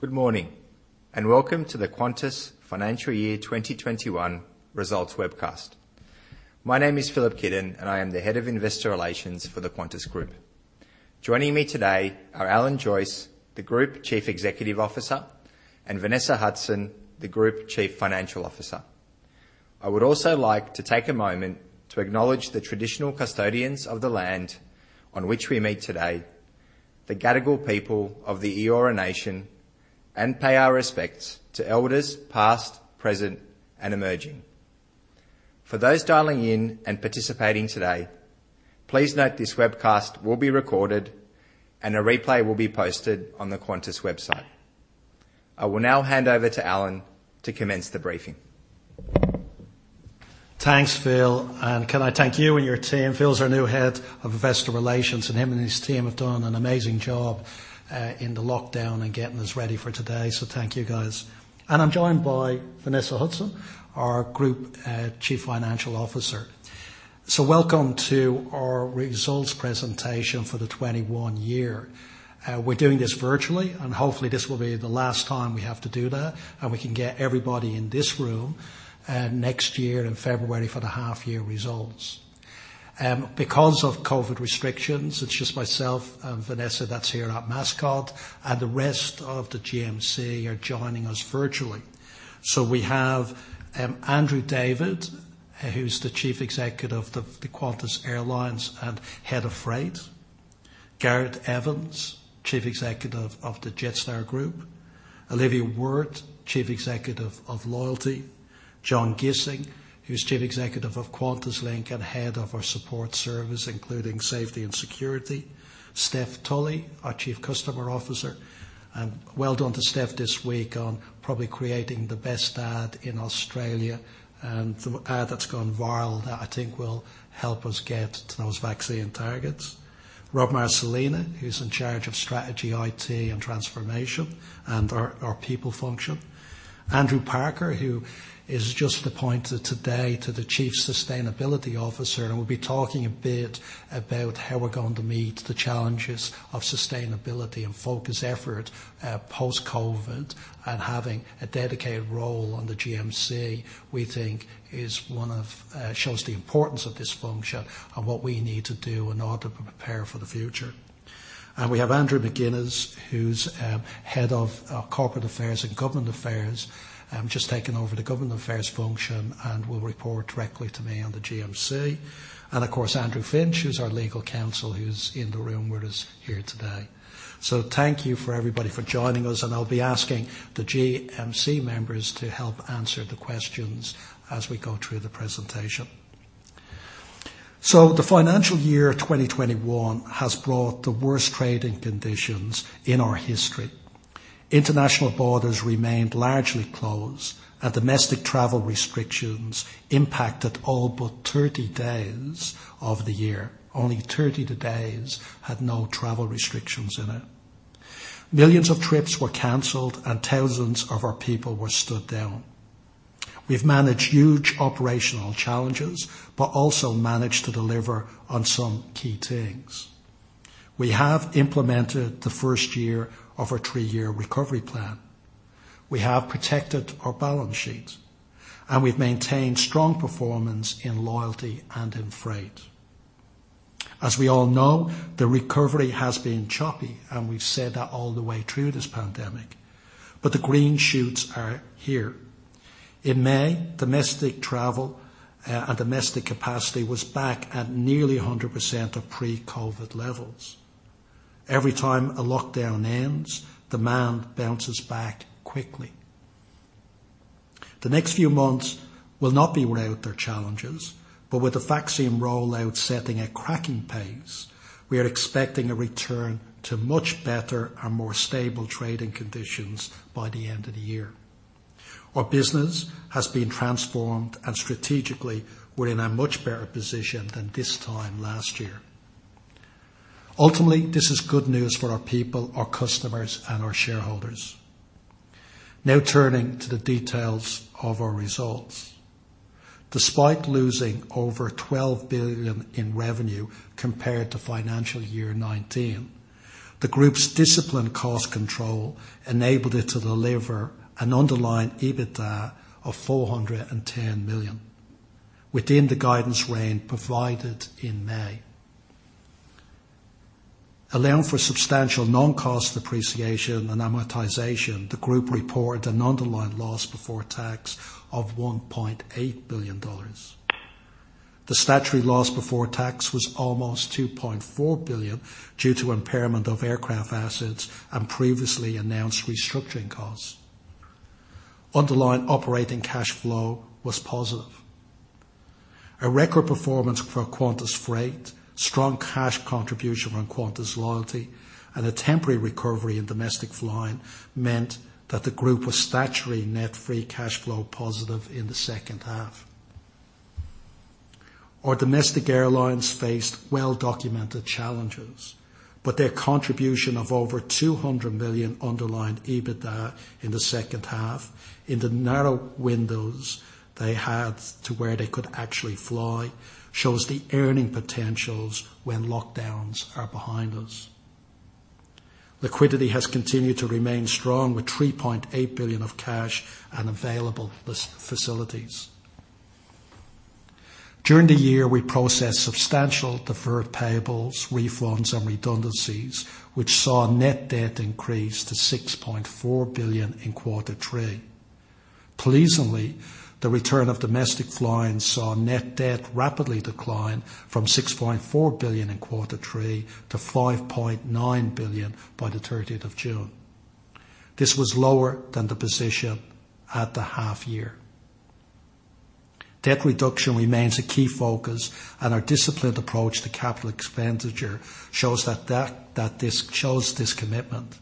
Good morning, and welcome to the Qantas Financial Year 2021 Results webcast. My name is Filip Kidon, and I am the Head of Investor Relations for the Qantas Group. Joining me today are Alan Joyce, the Group Chief Executive Officer, and Vanessa Hudson, the Group Chief Financial Officer. I would also like to take a moment to acknowledge the traditional custodians of the land on which we meet today, the Gadigal people of the Eora Nation, and pay our respects to elders past, present, and emerging. For those dialing in and participating today, please note this webcast will be recorded, and a replay will be posted on the Qantas website. I will now hand over to Alan to commence the briefing. Thanks, Phil. Can I thank you and your team? Phil's our new Head of Investor Relations, and him and his team have done an amazing job in the lockdown and getting us ready for today. Thank you, guys. I'm joined by Vanessa Hudson, our Group Chief Financial Officer. Welcome to our results presentation for the 2021 year. We're doing this virtually, and hopefully this will be the last time we have to do that, and we can get everybody in this room next year in February for the half-year results. Because of COVID restrictions, it's just myself and Vanessa that's here at Mascot, and the rest of the GMC are joining us virtually. We have Andrew David, who's the Chief Executive of the Qantas Airlines and Head of Freight. Gareth Evans, Chief Executive of the Jetstar Group. Olivia Wirth, Chief Executive of Loyalty. John Gissing, who's Chief Executive of QantasLink and head of our support service, including safety and security. Steph Tully, our Chief Customer Officer. Well done to Steph this week on probably creating the best ad in Australia, the ad that's gone viral that I think will help us get to those vaccine targets. Rob Marcolina, who's in charge of strategy, IT, and transformation, and our people function. Andrew Parker, who is just appointed today to the Chief Sustainability Officer, and we'll be talking a bit about how we're going to meet the challenges of sustainability and focus effort post-COVID. Having a dedicated role on the GMC, we think shows the importance of this function and what we need to do in order to prepare for the future. We have Andrew McGinnes, who's head of corporate affairs and government affairs, just taken over the government affairs function and will report directly to me on the GMC. Of course, Andrew Finch, who's our legal counsel, who's in the room with us here today. Thank you for everybody for joining us, and I'll be asking the GMC members to help answer the questions as we go through the presentation. The financial year 2021 has brought the worst trading conditions in our history. International borders remained largely closed, and domestic travel restrictions impacted all but 30 days of the year. Only 30 days had no travel restrictions in it. Millions of trips were canceled, and thousands of our people were stood down. We've managed huge operational challenges, but also managed to deliver on some key things. We have implemented the first year of our three-year recovery plan. We have protected our balance sheet. We've maintained strong performance in loyalty and in freight. As we all know, the recovery has been choppy. We've said that all the way through this pandemic. The green shoots are here. In May, domestic travel and domestic capacity was back at nearly 100% of pre-COVID levels. Every time a lockdown ends, demand bounces back quickly. The next few months will not be without their challenges. With the vaccine rollout setting a cracking pace, we are expecting a return to much better and more stable trading conditions by the end of the year. Our business has been transformed. Strategically, we're in a much better position than this time last year. Ultimately, this is good news for our people, our customers, and our shareholders. Turning to the details of our results. Despite losing over 12 billion in revenue compared to financial year 2019, the group's disciplined cost control enabled it to deliver an underlying EBITDA of 410 million within the guidance range provided in May. Allowing for substantial non-cost depreciation and amortization, the group reported an underlying loss before tax of 1.8 billion dollars. The statutory loss before tax was almost 2.4 billion due to impairment of aircraft assets and previously announced restructuring costs. Underlying operating cash flow was positive. A record performance for Qantas Freight, strong cash contribution from Qantas Loyalty, and a temporary recovery in domestic flying meant that the group was statutory net free cash flow positive in the second half. Our domestic airlines faced well-documented challenges, but their contribution of over 200 million underlying EBITDA in the second half in the narrow windows they had to where they could actually fly shows the earning potentials when lockdowns are behind us. Liquidity has continued to remain strong with 3.8 billion of cash and available facilities. During the year, we processed substantial deferred payables, refunds, and redundancies, which saw net debt increase to 6.4 billion in quarter three. Pleasingly, the return of domestic flying saw net debt rapidly decline from 6.4 billion in quarter three to 5.9 billion by the 30th of June. This was lower than the position at the half year. Debt reduction remains a key focus, and our disciplined approach to capital expenditure shows this commitment.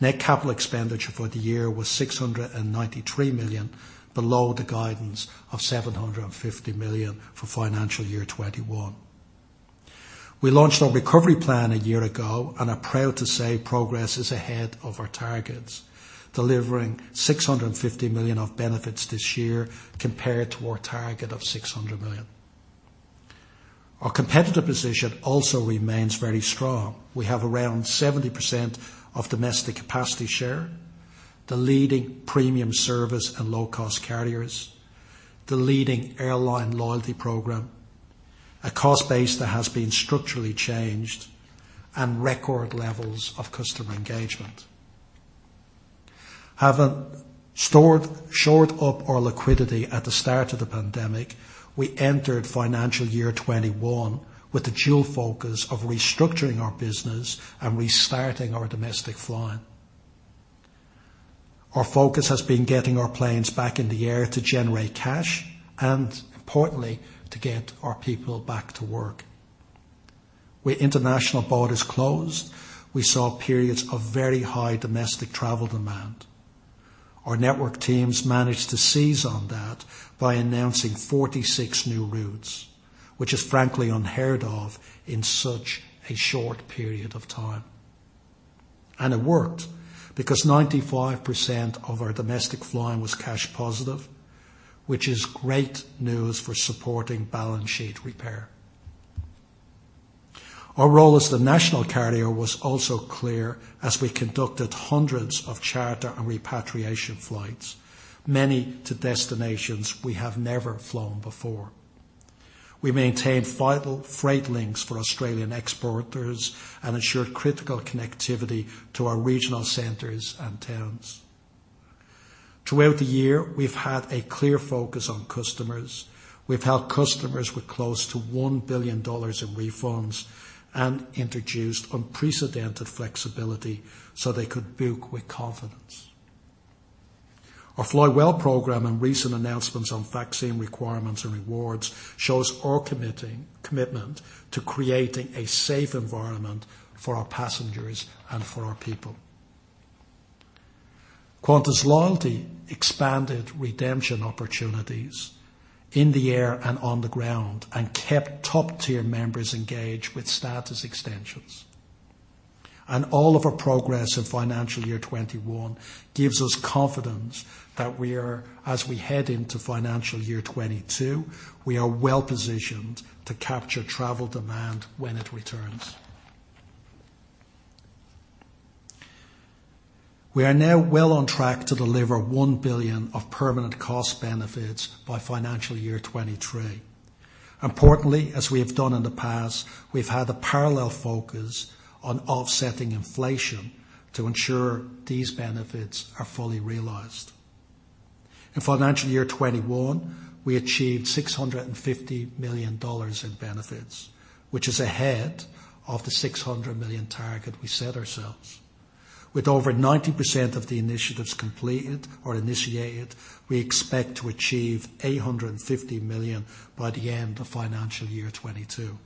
Net capital expenditure for the year was 693 million, below the guidance of 750 million for financial year 2021. We launched our recovery plan a year ago and are proud to say progress is ahead of our targets, delivering 650 million of benefits this year compared to our target of 600 million. Our competitive position also remains very strong. We have around 70% of domestic capacity share, the leading premium service and low-cost carriers, the leading airline loyalty program, a cost base that has been structurally changed, and record levels of customer engagement. Having shored up our liquidity at the start of the pandemic, we entered financial year 2021 with the dual focus of restructuring our business and restarting our domestic flying. Our focus has been getting our planes back in the air to generate cash and importantly, to get our people back to work. With international borders closed, we saw periods of very high domestic travel demand. Our network teams managed to seize on that by announcing 46 new routes, which is frankly unheard of in such a short period of time. It worked because 95% of our domestic flying was cash positive, which is great news for supporting balance sheet repair. Our role as the national carrier was also clear as we conducted hundreds of charter and repatriation flights, many to destinations we have never flown before. We maintained vital freight links for Australian exporters and ensured critical connectivity to our regional centers and towns. Throughout the year, we've had a clear focus on customers. We've helped customers with close to 1 billion dollars in refunds and introduced unprecedented flexibility so they could book with confidence. Our Fly Well program and recent announcements on vaccine requirements and rewards shows our commitment to creating a safe environment for our passengers and for our people. Qantas Loyalty expanded redemption opportunities in the air and on the ground and kept top-tier members engaged with status extensions. All of our progress in financial year 2021 gives us confidence that as we head into financial year 2022, we are well-positioned to capture travel demand when it returns. We are now well on track to deliver 1 billion of permanent cost benefits by financial year 2023. Importantly, as we have done in the past, we've had a parallel focus on offsetting inflation to ensure these benefits are fully realized. In financial year 2021, we achieved 650 million dollars in benefits, which is ahead of the 600 million target we set ourselves. With over 90% of the initiatives completed or initiated, we expect to achieve 850 million by the end of financial year 2022.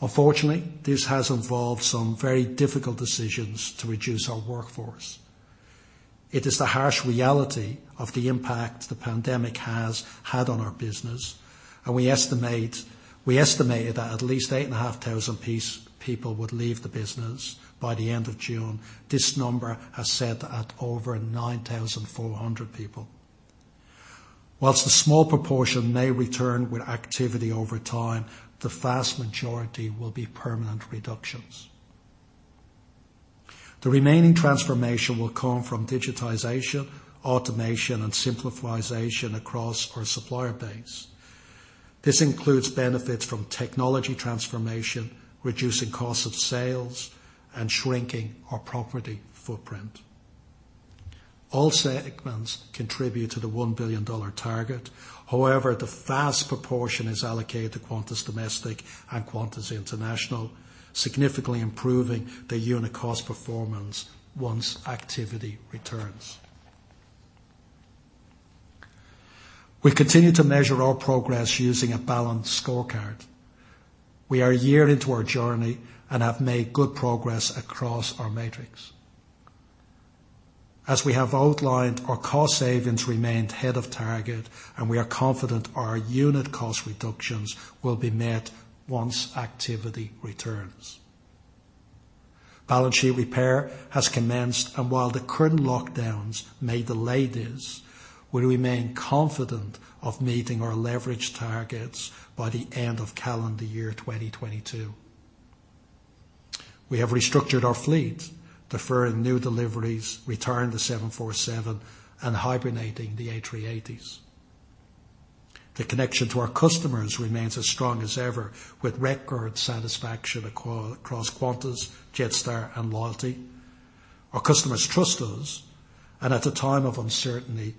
Unfortunately, this has involved some very difficult decisions to reduce our workforce. It is the harsh reality of the impact the pandemic has had on our business. We estimated that at least 8,500 people would leave the business by the end of June. This number has sat at over 9,400 people. A small proportion may return with activity over time, the vast majority will be permanent reductions. The remaining transformation will come from digitization, automation, and simplification across our supplier base. This includes benefits from technology transformation, reducing costs of sales, and shrinking our property footprint. All segments contribute to the 1 billion dollar target. However, the vast proportion is allocated to Qantas Domestic and Qantas International, significantly improving their unit cost performance once activity returns. We continue to measure our progress using a balanced scorecard. We are a year into our journey and have made good progress across our matrix. As we have outlined, our cost savings remained ahead of target, and we are confident our unit cost reductions will be met once activity returns. Balance sheet repair has commenced, and while the current lockdowns may delay this, we remain confident of meeting our leverage targets by the end of calendar year 2022. We have restructured our fleet, deferring new deliveries, returning the 747, and hibernating the A380s. The connection to our customers remains as strong as ever, with record satisfaction across Qantas, Jetstar, and Loyalty. Our customers trust us, and at a time of uncertainty,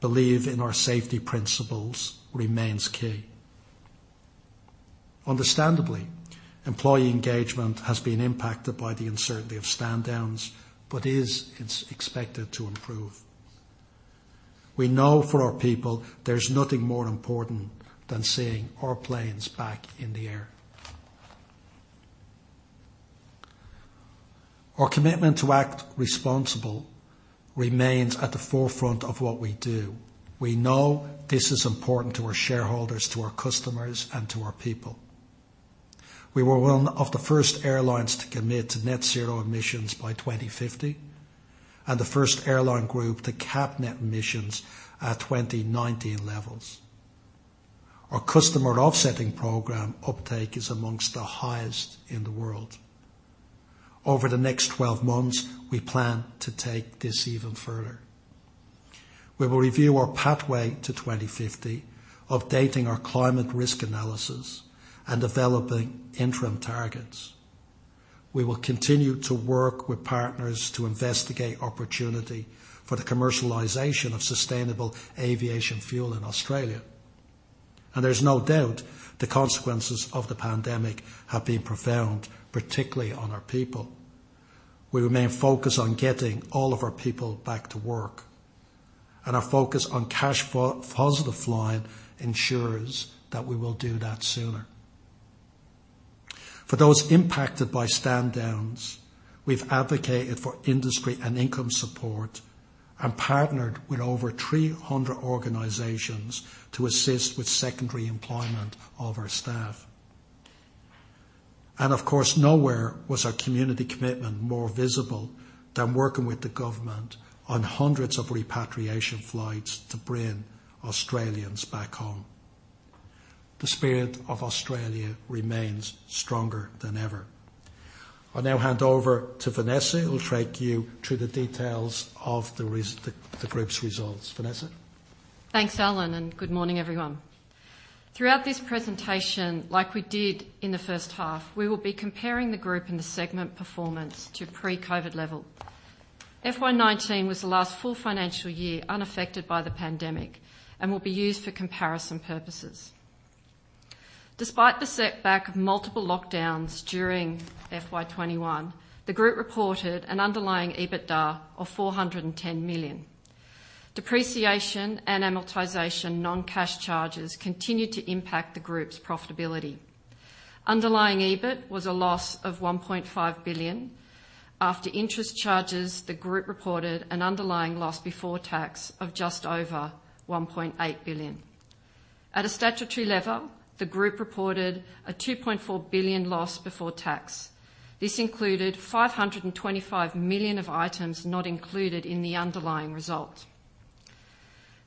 believe in our safety principles remains key. Understandably, employee engagement has been impacted by the uncertainty of stand downs, but is expected to improve. We know for our people there's nothing more important than seeing our planes back in the air. Our commitment to act responsible remains at the forefront of what we do. We know this is important to our shareholders, to our customers, and to our people. We were one of the first airlines to commit to net zero emissions by 2050, and the first airline group to cap net emissions at 2019 levels. Our customer offsetting program uptake is amongst the highest in the world. Over the next 12 months, we plan to take this even further. We will review our pathway to 2050, updating our climate risk analysis, and developing interim targets. We will continue to work with partners to investigate opportunity for the commercialization of sustainable aviation fuel in Australia. There's no doubt the consequences of the pandemic have been profound, particularly on our people. We remain focused on getting all of our people back to work, and our focus on cash flow positive flying ensures that we will do that sooner. For those impacted by stand downs, we've advocated for industry and income support and partnered with over 300 organizations to assist with secondary employment of our staff. Of course, nowhere was our community commitment more visible than working with the government on hundreds of repatriation flights to bring Australians back home. The spirit of Australia remains stronger than ever. I'll now hand over to Vanessa, who will take you through the details of the group's results. Vanessa? Thanks, Alan, good morning, everyone. Throughout this presentation, like we did in the first half, we will be comparing the Group and the segment performance to pre-COVID level. FY 2019 was the last full financial year unaffected by the pandemic and will be used for comparison purposes. Despite the setback of multiple lockdowns during FY 2021, the Group reported an underlying EBITDA of 410 million. Depreciation and amortization non-cash charges continued to impact the Group's profitability. Underlying EBIT was a loss of 1.5 billion. After interest charges, the Group reported an underlying loss before tax of just over AUD 1.8 billion. At a statutory level, the Group reported a AUD 2.4 billion loss before tax. This included 525 million of items not included in the underlying result.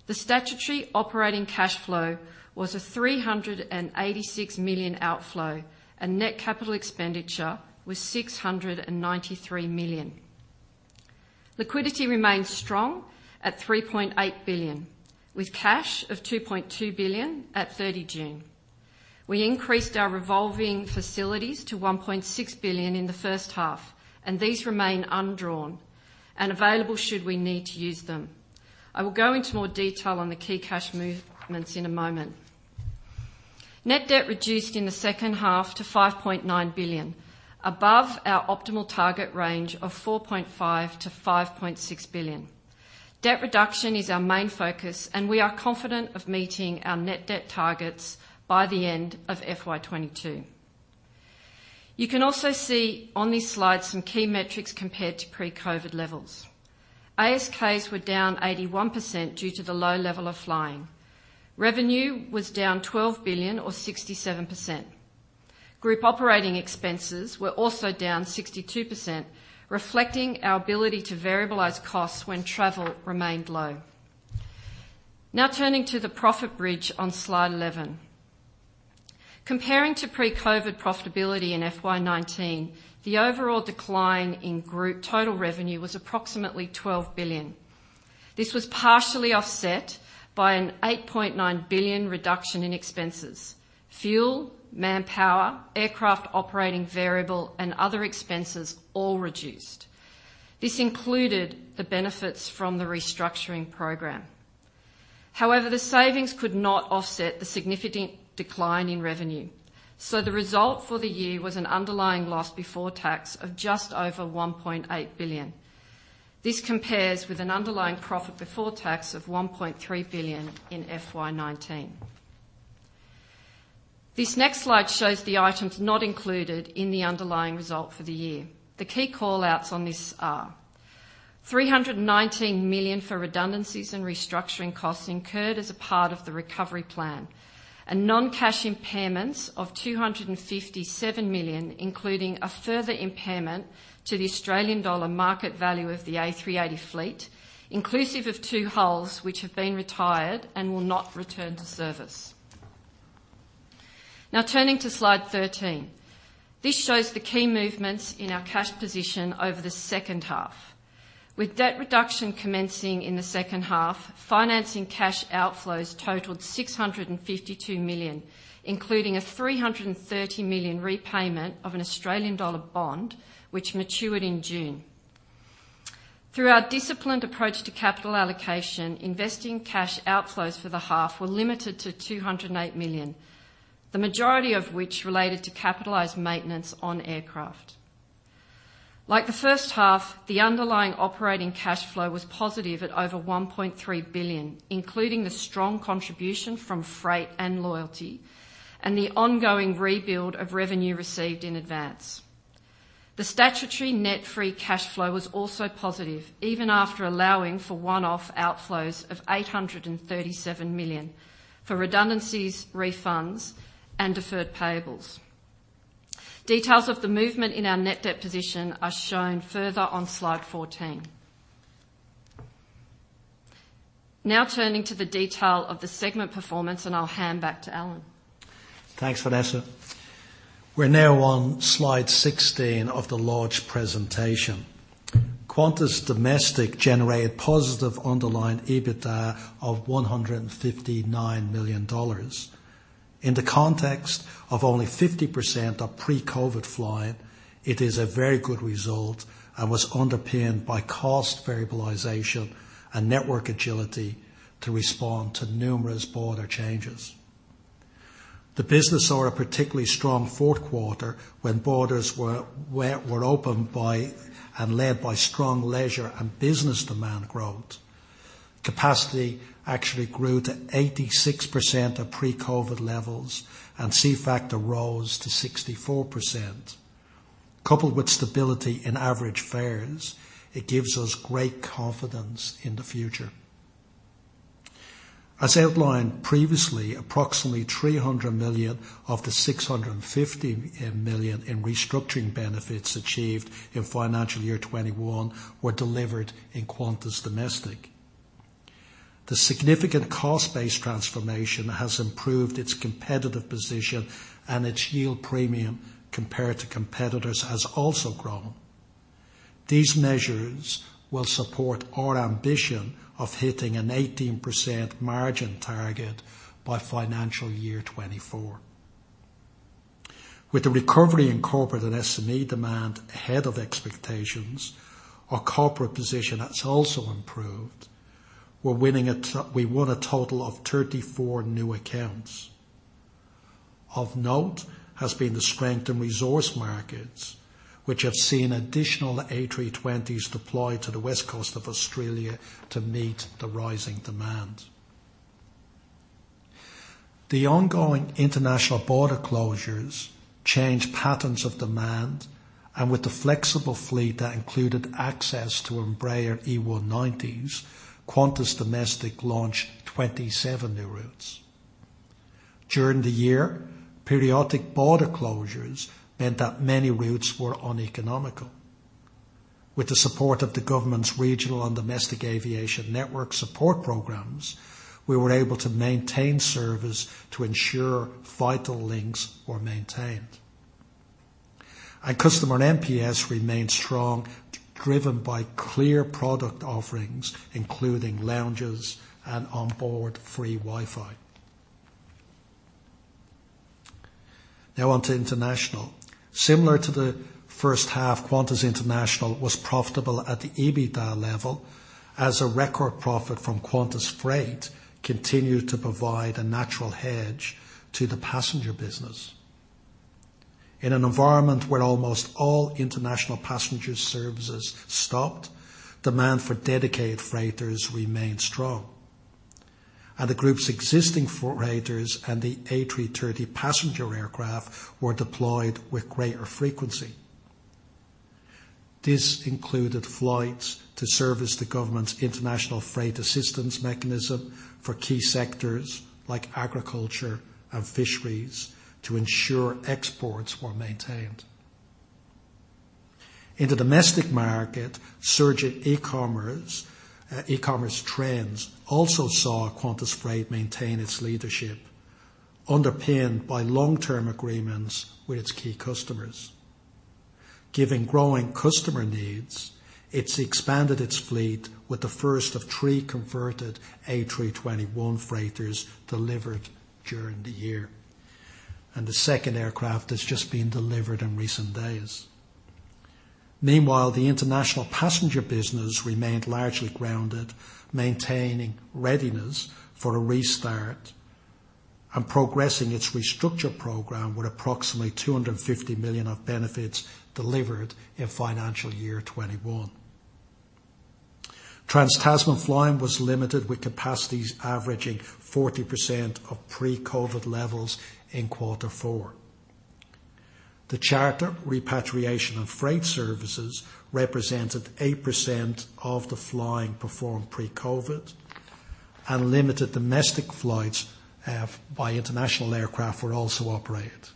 The statutory operating cash flow was a 386 million outflow, and net capital expenditure was 693 million. Liquidity remains strong at 3.8 billion, with cash of 2.2 billion at 30 June. We increased our revolving facilities to 1.6 billion in the first half, and these remain undrawn and available should we need to use them. I will go into more detail on the key cash movements in a moment. Net debt reduced in the second half to 5.9 billion, above our optimal target range of 4.5 billion-5.6 billion. Debt reduction is our main focus, and we are confident of meeting our net debt targets by the end of FY 2022. You can also see on this slide some key metrics compared to pre-COVID levels. ASKs were down 81% due to the low level of flying. Revenue was down 12 billion or 67%. Group operating expenses were also down 62%, reflecting our ability to variabilize costs when travel remained low. Turning to the profit bridge on slide 11. Comparing to pre-COVID profitability in FY 2019, the overall decline in group total revenue was approximately 12 billion. This was partially offset by an 8.9 billion reduction in expenses. Fuel, manpower, aircraft operating variable, and other expenses all reduced. This included the benefits from the restructuring program. However, the savings could not offset the significant decline in revenue, the result for the year was an underlying loss before tax of just over 1.8 billion. This compares with an underlying profit before tax of 1.3 billion in FY 2019. This next slide shows the items not included in the underlying result for the year. The key call-outs on this are 319 million for redundancies and restructuring costs incurred as a part of the recovery plan and non-cash impairments of 257 million, including a further impairment to the Australian dollar market value of the A380 fleet, inclusive of two hulls which have been retired and will not return to service. Now turning to slide 13. This shows the key movements in our cash position over the second half. With debt reduction commencing in the second half, financing cash outflows totaled 652 million, including an 330 million repayment of an Australian dollar bond, which matured in June. Through our disciplined approach to capital allocation, investing cash outflows for the half were limited to 208 million. The majority of which related to capitalized maintenance on aircraft. Like the first half, the underlying operating cash flow was positive at over 1.3 billion, including the strong contribution from freight and loyalty, and the ongoing rebuild of revenue received in advance. The statutory net free cash flow was also positive even after allowing for one-off outflows of 837 million for redundancies, refunds, and deferred payables. Details of the movement in our net debt position are shown further on slide 14. Now turning to the detail of the segment performance, and I'll hand back to Alan. Thanks, Vanessa. We're now on slide 16 of the large presentation. Qantas Domestic generated positive underlying EBITDA of 159 million dollars. In the context of only 50% of pre-COVID flying, it is a very good result and was underpinned by cost variabilization and network agility to respond to numerous border changes. The business saw a particularly strong fourth quarter when borders were opened and led by strong leisure and business demand growth. Capacity actually grew to 86% of pre-COVID levels, and seat factor rose to 64%. Coupled with stability in average fares, it gives us great confidence in the future. As outlined previously, approximately 300 million of the 650 million in restructuring benefits achieved in financial year 2021 were delivered in Qantas Domestic. The significant cost base transformation has improved its competitive position and its yield premium compared to competitors has also grown. These measures will support our ambition of hitting an 18% margin target by financial year 2024. With the recovery in corporate and SME demand ahead of expectations, our corporate position has also improved. We won a total of 34 new accounts. Of note has been the strength in resource markets, which have seen additional A320s deployed to the west coast of Australia to meet the rising demand. The ongoing international border closures changed patterns of demand, with the flexible fleet that included access to Embraer E190s, Qantas Domestic launched 27 new routes. During the year, periodic border closures meant that many routes were uneconomical. With the support of the government's regional and domestic aviation network support programs, we were able to maintain service to ensure vital links were maintained. Customer NPS remained strong, driven by clear product offerings, including lounges and onboard free Wi-Fi. Now on to International. Similar to the first half, Qantas International was profitable at the EBITDA level as a record profit from Qantas Freight continued to provide a natural hedge to the passenger business. In an environment where almost all international passenger services stopped, demand for dedicated freighters remained strong, and the group's existing freighters and the A330 passenger aircraft were deployed with greater frequency. This included flights to service the government's International Freight Assistance Mechanism for key sectors like agriculture and fisheries to ensure exports were maintained. In the domestic market, surge in e-commerce trends also saw Qantas Freight maintain its leadership, underpinned by long-term agreements with its key customers. Given growing customer needs, it's expanded its fleet with the first of three converted A321 freighters delivered during the year, and the second aircraft has just been delivered in recent days. Meanwhile, the international passenger business remained largely grounded, maintaining readiness for a restart and progressing its restructure program with approximately 250 million of benefits delivered in financial 2021. Trans-Tasman flying was limited, with capacities averaging 40% of pre-COVID levels in quarter four. The charter repatriation of freight services represented 8% of the flying performed pre-COVID. Limited domestic flights by international aircraft were also operated.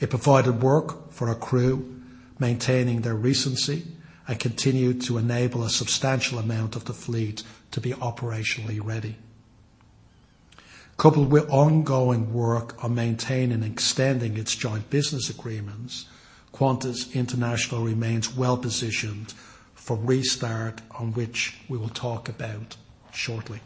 It provided work for our crew, maintaining their recency, and continued to enable a substantial amount of the fleet to be operationally ready. Coupled with ongoing work on maintaining and extending its joint business agreements, Qantas International remains well-positioned for restart, on which we will talk about shortly.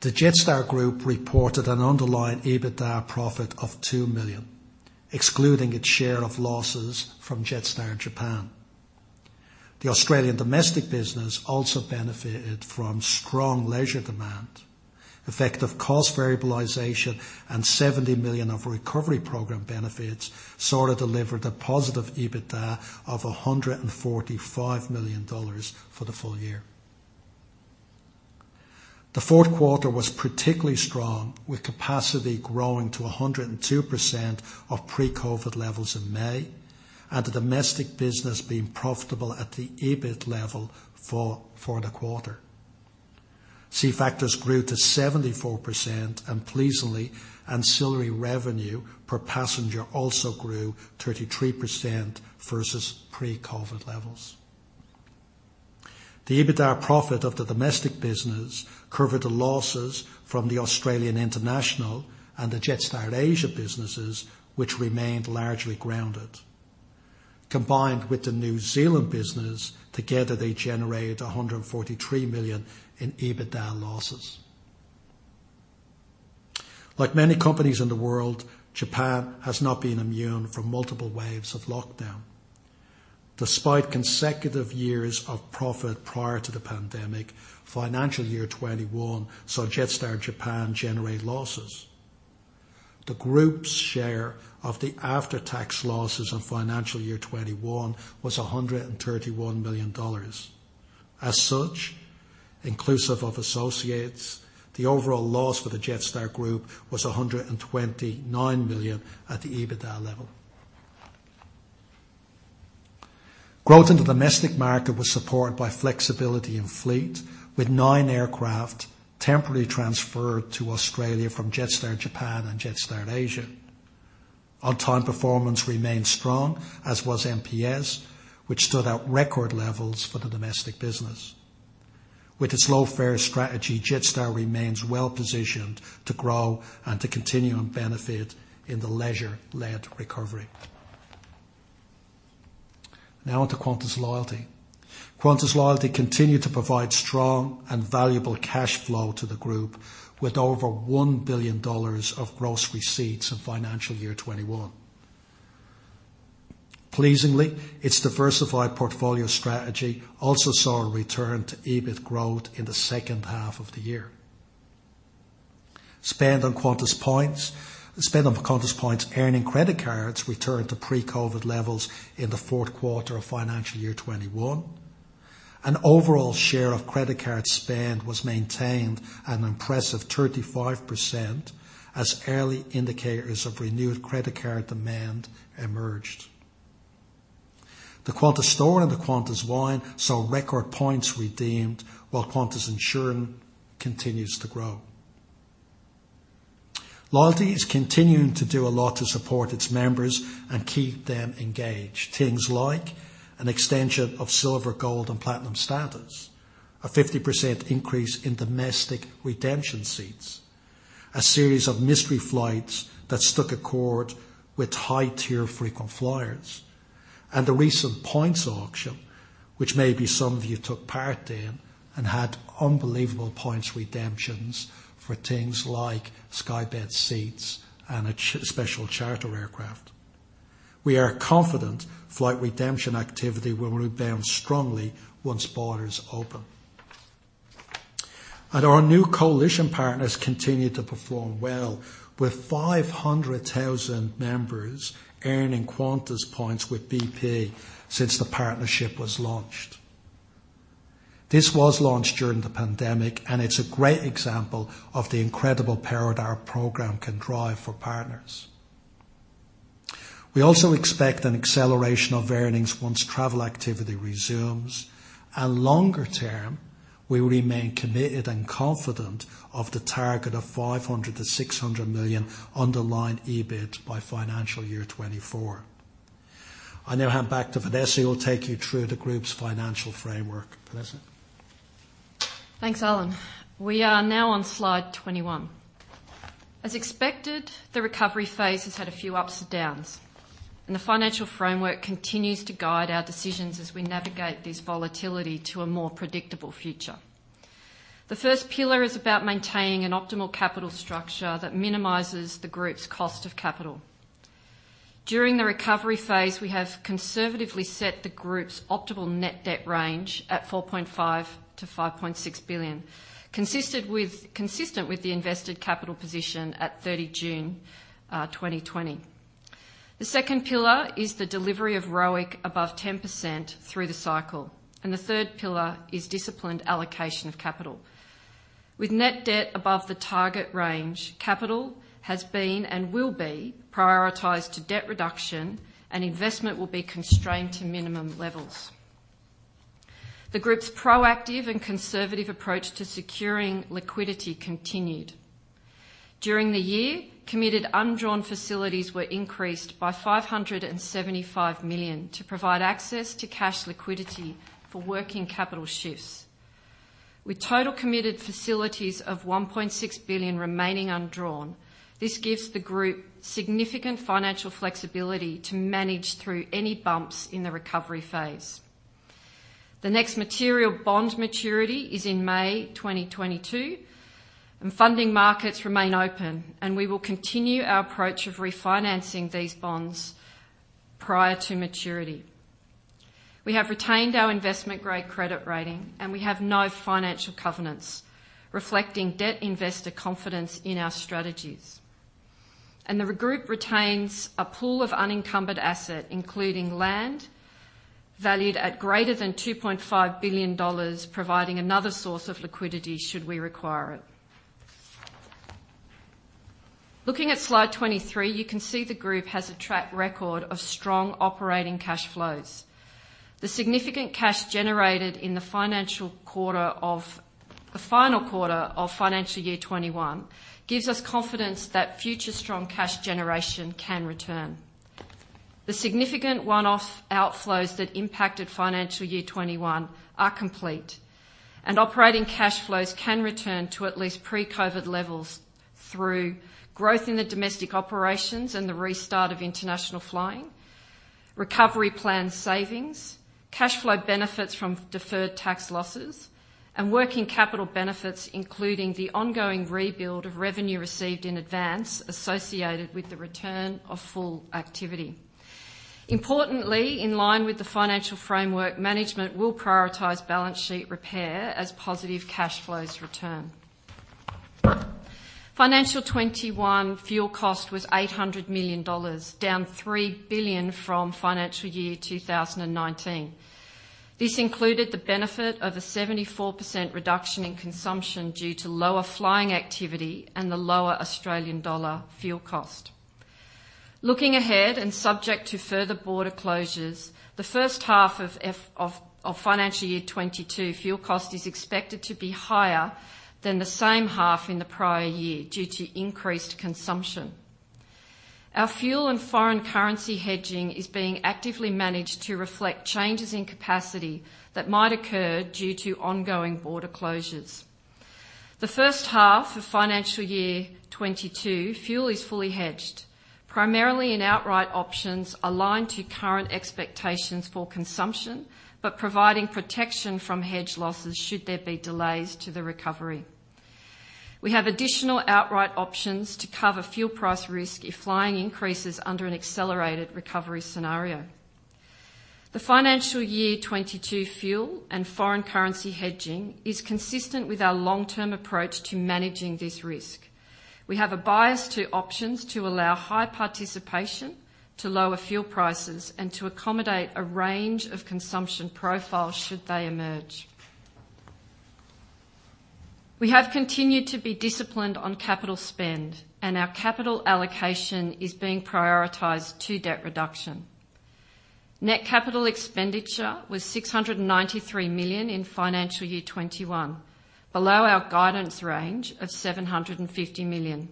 The Jetstar Group reported an underlying EBITDA profit of 2 million, excluding its share of losses from Jetstar Japan. The Australian domestic business also benefited from strong leisure demand, effective cost variabilization, and 70 million of recovery program benefits, sort of delivered a positive EBITDA of 145 million dollars for the full year. The fourth quarter was particularly strong, with capacity growing to 102% of pre-COVID levels in May, and the domestic business being profitable at the EBIT level for the quarter. Seat factors grew to 74%, and pleasingly, ancillary revenue per passenger also grew 33% versus pre-COVID levels. The EBITDA profit of the domestic business covered the losses from the Australian International and the Jetstar Asia businesses, which remained largely grounded. Combined with the New Zealand business, together they generated 143 million in EBITDA losses. Like many companies in the world, Japan has not been immune from multiple waves of lockdown. Despite consecutive years of profit prior to the pandemic, financial 2021 saw Jetstar Japan generate losses. The group's share of the after-tax losses on financial year 2021 was 131 million dollars. Inclusive of associates, the overall loss for the Jetstar Group was 129 million at the EBITDA level. Growth in the domestic market was supported by flexibility in fleet, with nine aircraft temporarily transferred to Australia from Jetstar Japan and Jetstar Asia. On-time performance remained strong, as was NPS, which stood at record levels for the domestic business. With its low fare strategy, Jetstar remains well-positioned to grow and to continue and benefit in the leisure-led recovery. On to Qantas Loyalty. Qantas Loyalty continued to provide strong and valuable cash flow to the group, with over 1 billion dollars of gross receipts in financial year 2021. Pleasingly, its diversified portfolio strategy also saw a return to EBIT growth in the second half of the year. Spend on Qantas Points earning credit cards returned to pre-COVID levels in the fourth quarter of financial year 2021. An overall share of credit card spend was maintained at an impressive 35%, as early indicators of renewed credit card demand emerged. The Qantas Marketplace and the Qantas Wine saw record Points redeemed, while Qantas Insurance continues to grow. Qantas Loyalty is continuing to do a lot to support its members and keep them engaged. Things like an extension of Silver, Gold, and Platinum Status, a 50% increase in domestic redemption seats, a series of mystery flights that struck a chord with high-tier Frequent Flyers, and the recent Points auction, which maybe some of you took part in, and had unbelievable Points redemptions for things like Skybed seats and a special charter aircraft. We are confident flight redemption activity will rebound strongly once borders open. Our new coalition partners continued to perform well, with 500,000 members earning Qantas Points with BP since the partnership was launched. This was launched during the pandemic, and it's a great example of the incredible power our program can drive for partners. We also expect an acceleration of earnings once travel activity resumes. Longer term, we remain committed and confident of the target of 500 million to 600 million underlying EBIT by financial 2024. I now hand back to Vanessa, who will take you through the group's financial framework. Vanessa? Thanks, Alan. We are now on slide 21. As expected, the recovery phase has had a few ups and downs, and the financial framework continues to guide our decisions as we navigate this volatility to a more predictable future. The first pillar is about maintaining an optimal capital structure that minimizes the group's cost of capital. During the recovery phase, we have conservatively set the group's optimal net debt range at 4.5 billion-5.6 billion, consistent with the invested capital position at 30 June 2020. The second pillar is the delivery of ROIC above 10% through the cycle. The third pillar is disciplined allocation of capital. With net debt above the target range, capital has been and will be prioritized to debt reduction, and investment will be constrained to minimum levels. The group's proactive and conservative approach to securing liquidity continued. During the year, committed undrawn facilities were increased by 575 million to provide access to cash liquidity for working capital shifts. With total committed facilities of 1.6 billion remaining undrawn, this gives the group significant financial flexibility to manage through any bumps in the recovery phase. The next material bond maturity is in May 2022, funding markets remain open, and we will continue our approach of refinancing these bonds prior to maturity. We have retained our investment-grade credit rating, we have no financial covenants, reflecting debt investor confidence in our strategies. The group retains a pool of unencumbered asset, including land valued at greater than 2.5 billion dollars, providing another source of liquidity should we require it. Looking at slide 23, you can see the group has a track record of strong operating cash flows. The significant cash generated in the final quarter of financial year 2021 gives us confidence that future strong cash generation can return. The significant one-off outflows that impacted financial year 2021 are complete, and operating cash flows can return to at least pre-COVID levels through growth in the domestic operations and the restart of international flying, recovery plan savings, cash flow benefits from deferred tax losses, and working capital benefits, including the ongoing rebuild of revenue received in advance associated with the return of full activity. Importantly, in line with the financial framework, management will prioritize balance sheet repair as positive cash flows return. Financial year 2021 fuel cost was 800 million dollars, down 3 billion from financial year 2019. This included the benefit of a 74% reduction in consumption due to lower flying activity and the lower Australian dollar fuel cost. Looking ahead, and subject to further border closures, the first half of financial year 2022 fuel cost is expected to be higher than the same half in the prior year due to increased consumption. Our fuel and foreign currency hedging is being actively managed to reflect changes in capacity that might occur due to ongoing border closures. The first half of financial year 2022, fuel is fully hedged, primarily in outright options aligned to current expectations for consumption, but providing protection from hedge losses should there be delays to the recovery. We have additional outright options to cover fuel price risk if flying increases under an accelerated recovery scenario. The financial year 2022 fuel and foreign currency hedging is consistent with our long-term approach to managing this risk. We have a bias to options to allow high participation to lower fuel prices and to accommodate a range of consumption profiles should they emerge. We have continued to be disciplined on capital spend, and our capital allocation is being prioritized to debt reduction. Net capital expenditure was 693 million in FY 2021, below our guidance range of 750 million.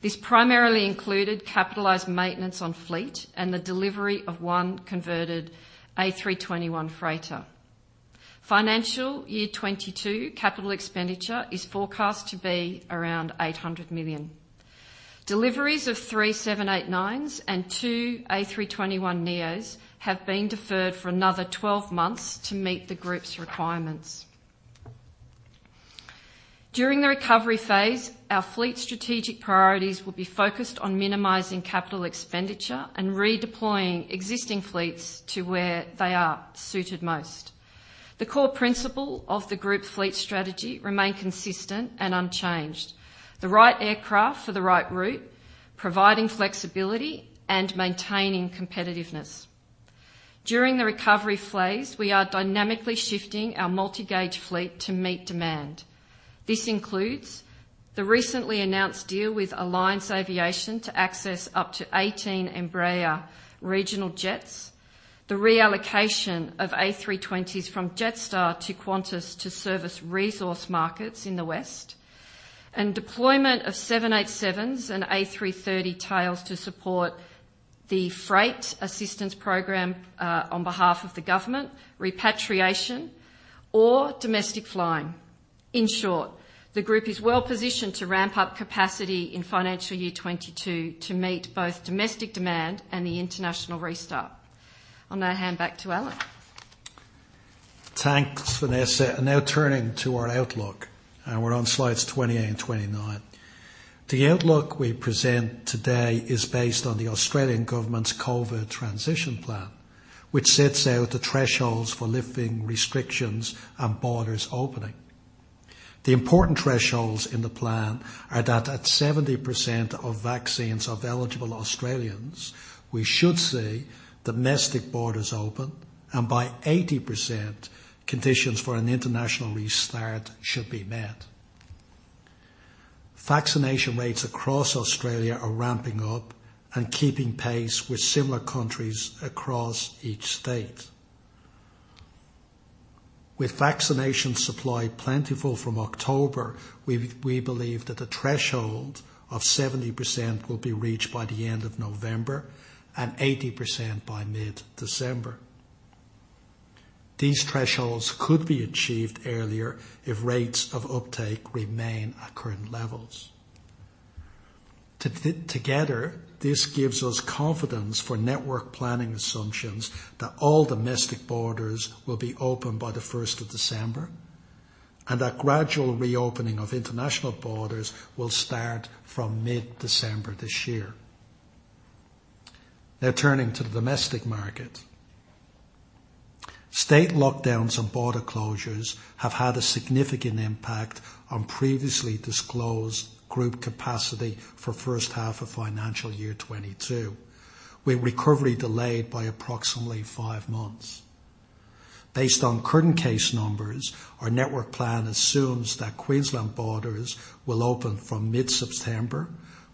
This primarily included capitalized maintenance on fleet and the delivery of one converted A321 freighter. Financial 2022 capital expenditure is forecast to be around 800 million. Deliveries of three 789s and two A321neos have been deferred for another 12 months to meet the group's requirements. During the recovery phase, our fleet strategic priorities will be focused on minimizing capital expenditure and redeploying existing fleets to where they are suited most. The core principle of the group fleet strategy remain consistent and unchanged. The right aircraft for the right route, providing flexibility and maintaining competitiveness. During the recovery phase, we are dynamically shifting our multi-gauge fleet to meet demand. This includes the recently announced deal with Alliance Airlines to access up to 18 Embraer regional jets, the reallocation of A320s from Jetstar to Qantas to service resource markets in the West, and deployment of 787s and A330 tails to support the International Freight Assistance Mechanism on behalf of the government, repatriation or domestic flying. In short, the group is well-positioned to ramp up capacity in financial 2022 to meet both domestic demand and the international restart. I'll now hand back to Alan. Thanks, Vanessa. Now turning to our outlook. We are on slides 28 and 29. The outlook we present today is based on the Australian government's COVID transition plan, which sets out the thresholds for lifting restrictions and borders opening. The important thresholds in the plan are that at 70% of vaccines of eligible Australians, we should see domestic borders open, and by 80%, conditions for an international restart should be met. Vaccination rates across Australia are ramping up and keeping pace with similar countries across each state. With vaccination supply plentiful from October, we believe that the threshold of 70% will be reached by the end of November and 80% by mid-December. These thresholds could be achieved earlier if rates of uptake remain at current levels. Together, this gives us confidence for network planning assumptions that all domestic borders will be open by the 1st of December, and that gradual reopening of international borders will start from mid-December this year. Turning to the domestic market. State lockdowns and border closures have had a significant impact on previously disclosed group capacity for first half of financial year 2022, with recovery delayed by approximately five months. Based on current case numbers, our network plan assumes that Queensland borders will open from mid-September,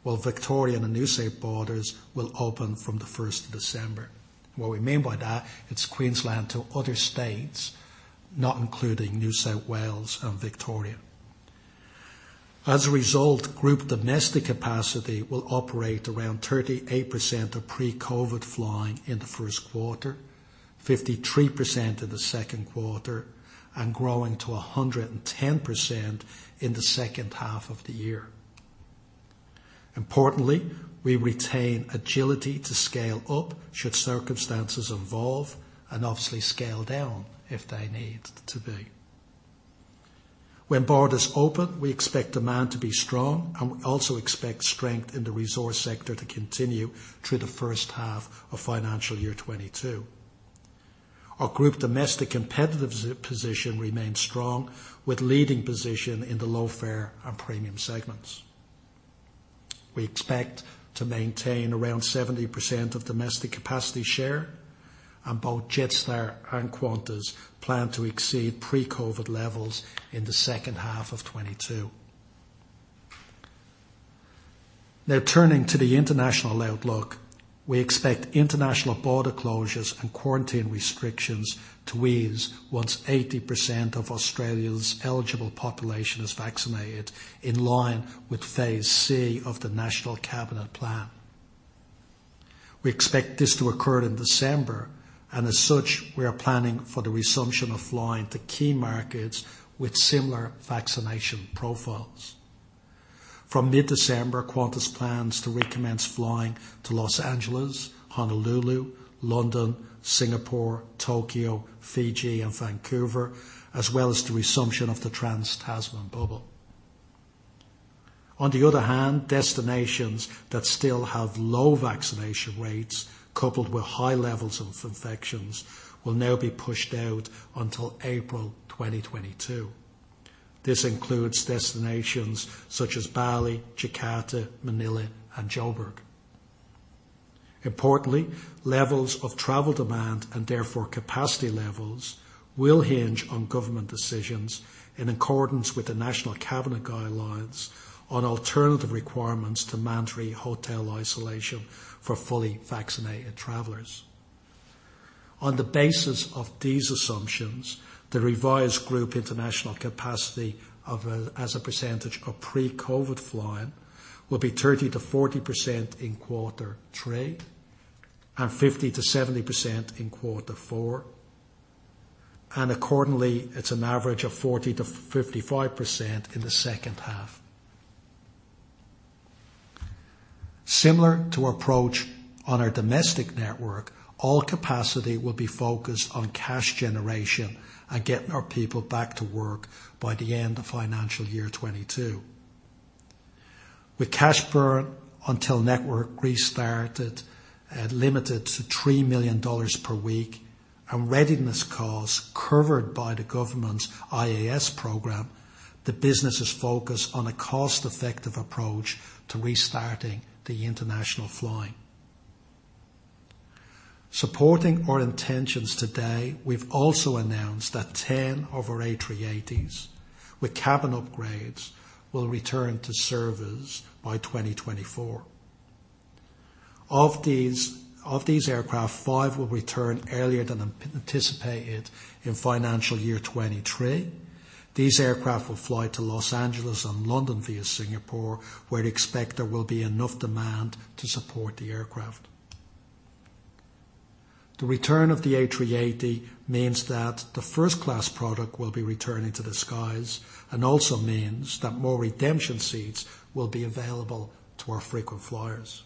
while Victorian and New South borders will open from the first of December. What we mean by that, it's Queensland to other states, not including New South Wales and Victoria. As a result, group domestic capacity will operate around 38% of pre-COVID flying in the first quarter, 53% in the second quarter, and growing to 110% in the second half of the year. Importantly, we retain agility to scale up should circumstances evolve, and obviously scale down if they need to be. When borders open, we expect demand to be strong, and we also expect strength in the resource sector to continue through the first half of financial year 2022. Our group domestic competitive position remains strong, with leading position in the low-fare and premium segments. We expect to maintain around 70% of domestic capacity share, and both Jetstar and Qantas plan to exceed pre-COVID levels in the second half of 2022. Turning to the international outlook. We expect international border closures and quarantine restrictions to ease once 80% of Australia's eligible population is vaccinated, in line with Phase C of the National Cabinet Plan. We expect this to occur in December, and as such, we are planning for the resumption of flying to key markets with similar vaccination profiles. From mid-December, Qantas plans to recommence flying to Los Angeles, Honolulu, London, Singapore, Tokyo, Fiji, and Vancouver, as well as the resumption of the Trans-Tasman Bubble. On the other hand, destinations that still have low vaccination rates coupled with high levels of infections will now be pushed out until April 2022. This includes destinations such as Bali, Jakarta, Manila, and Joburg. Importantly, levels of travel demand, and therefore capacity levels, will hinge on government decisions in accordance with the National Cabinet guidelines on alternative requirements to mandatory hotel isolation for fully vaccinated travelers. On the basis of these assumptions, the revised group international capacity as a percentage of pre-COVID flying will be 30%-40% in quarter three, and 50%-70% in quarter four, and accordingly, it is an average of 40%-55% in the second half. Similar to our approach on our domestic network, all capacity will be focused on cash generation and getting our people back to work by the end of financial year 2022. With cash burn until network restarted at limited to 3 million dollars per week, and readiness costs covered by the government's IAS program, the business is focused on a cost-effective approach to restarting the international flying. Supporting our intentions today, we've also announced that 10 of our A380s with cabin upgrades will return to service by 2024. Of these aircraft, five will return earlier than anticipated in financial year 2023. These aircraft will fly to Los Angeles and London via Singapore, where we expect there will be enough demand to support the aircraft. The return of the A380 means that the first-class product will be returning to the skies, and also means that more redemption seats will be available to our frequent flyers.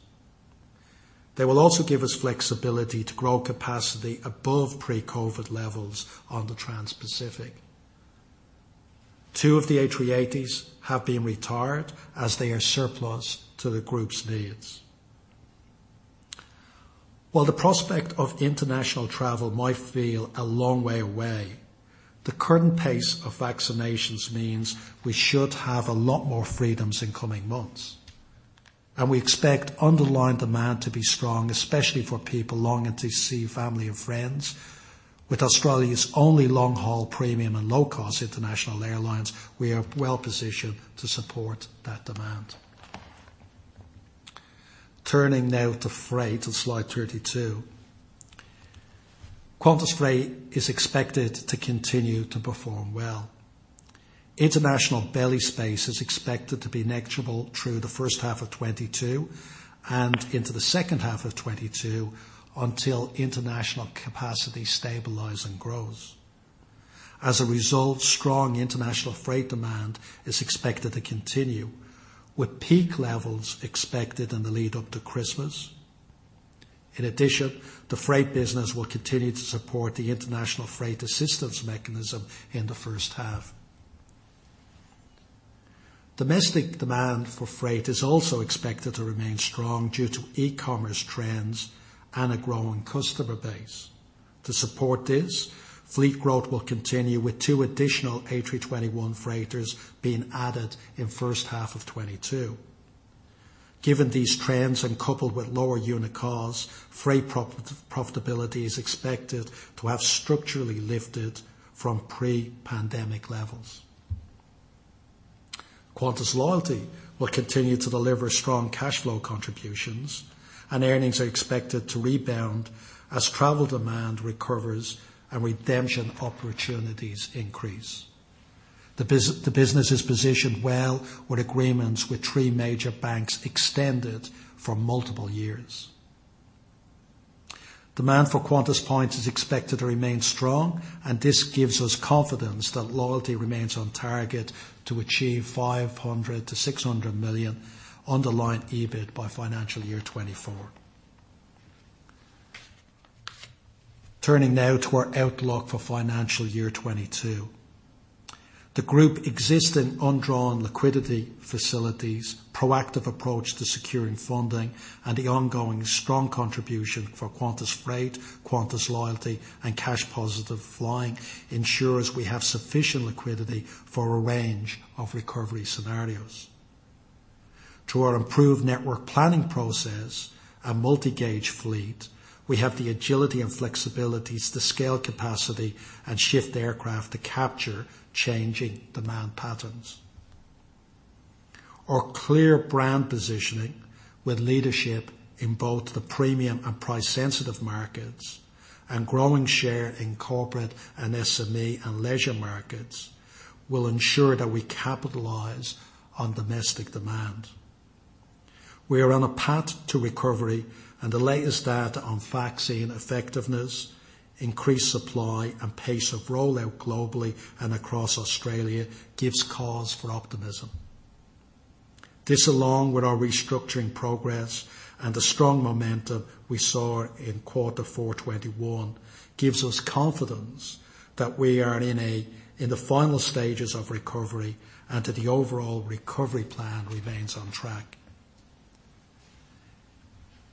They will also give us flexibility to grow capacity above pre-COVID levels on the Trans Pacific. Two of the A380s have been retired as they are surplus to the group's needs. While the prospect of international travel might feel a long way away, the current pace of vaccinations means we should have a lot more freedoms in coming months. We expect underlying demand to be strong, especially for people longing to see family and friends. With Australia's only long-haul premium and low-cost international airlines, we are well-positioned to support that demand. Turning now to freight on slide 32. Qantas Freight is expected to continue to perform well. International belly space is expected to be negligible through the first half of 2022, and into the second half of 2022, until international capacity stabilizes and grows. As a result, strong international freight demand is expected to continue, with peak levels expected in the lead up to Christmas. In addition, the freight business will continue to support the International Freight Assistance Mechanism in the first half. Domestic demand for freight is also expected to remain strong due to e-commerce trends and a growing customer base. To support this, fleet growth will continue with two additional A321 freighters being added in the first half of 2022. Given these trends, and coupled with lower unit costs, freight profitability is expected to have structurally lifted from pre-pandemic levels. Qantas Loyalty will continue to deliver strong cash flow contributions, and earnings are expected to rebound as travel demand recovers and redemption opportunities increase. The business is positioned well with agreements with three major banks extended for multiple years. Demand for Qantas points is expected to remain strong, and this gives us confidence that Loyalty remains on target to achieve 500 million-600 million underlying EBIT by financial year 2024. Turning now to our outlook for financial year 2022. The Group existing undrawn liquidity facilities, proactive approach to securing funding, and the ongoing strong contribution for Qantas Freight, Qantas Loyalty, and cash positive flying ensures we have sufficient liquidity for a range of recovery scenarios. Through our improved network planning process and multi-gauge fleet, we have the agility and flexibilities to scale capacity and shift aircraft to capture changing demand patterns. Our clear brand positioning with leadership in both the premium and price sensitive markets, and growing share in corporate and SME and leisure markets will ensure that we capitalize on domestic demand. We are on a path to recovery, and the latest data on vaccine effectiveness, increased supply, and pace of rollout globally and across Australia gives cause for optimism. This, along with our restructuring progress and the strong momentum we saw in quarter four 2021, gives us confidence that we are in the final stages of recovery, and that the overall recovery plan remains on track.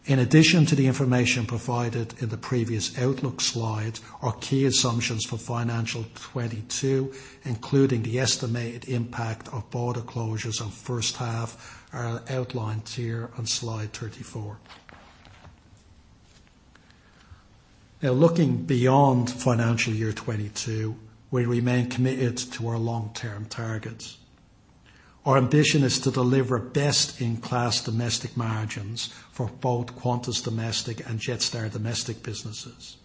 In addition to the information provided in the previous outlook slide, our key assumptions for financial year 2022, including the estimated impact of border closures on first half, are outlined here on slide 34. Looking beyond financial year 2022, we remain committed to our long-term targets. Our ambition is to deliver best-in-class domestic margins for both Qantas Domestic and Jetstar Domestic businesses.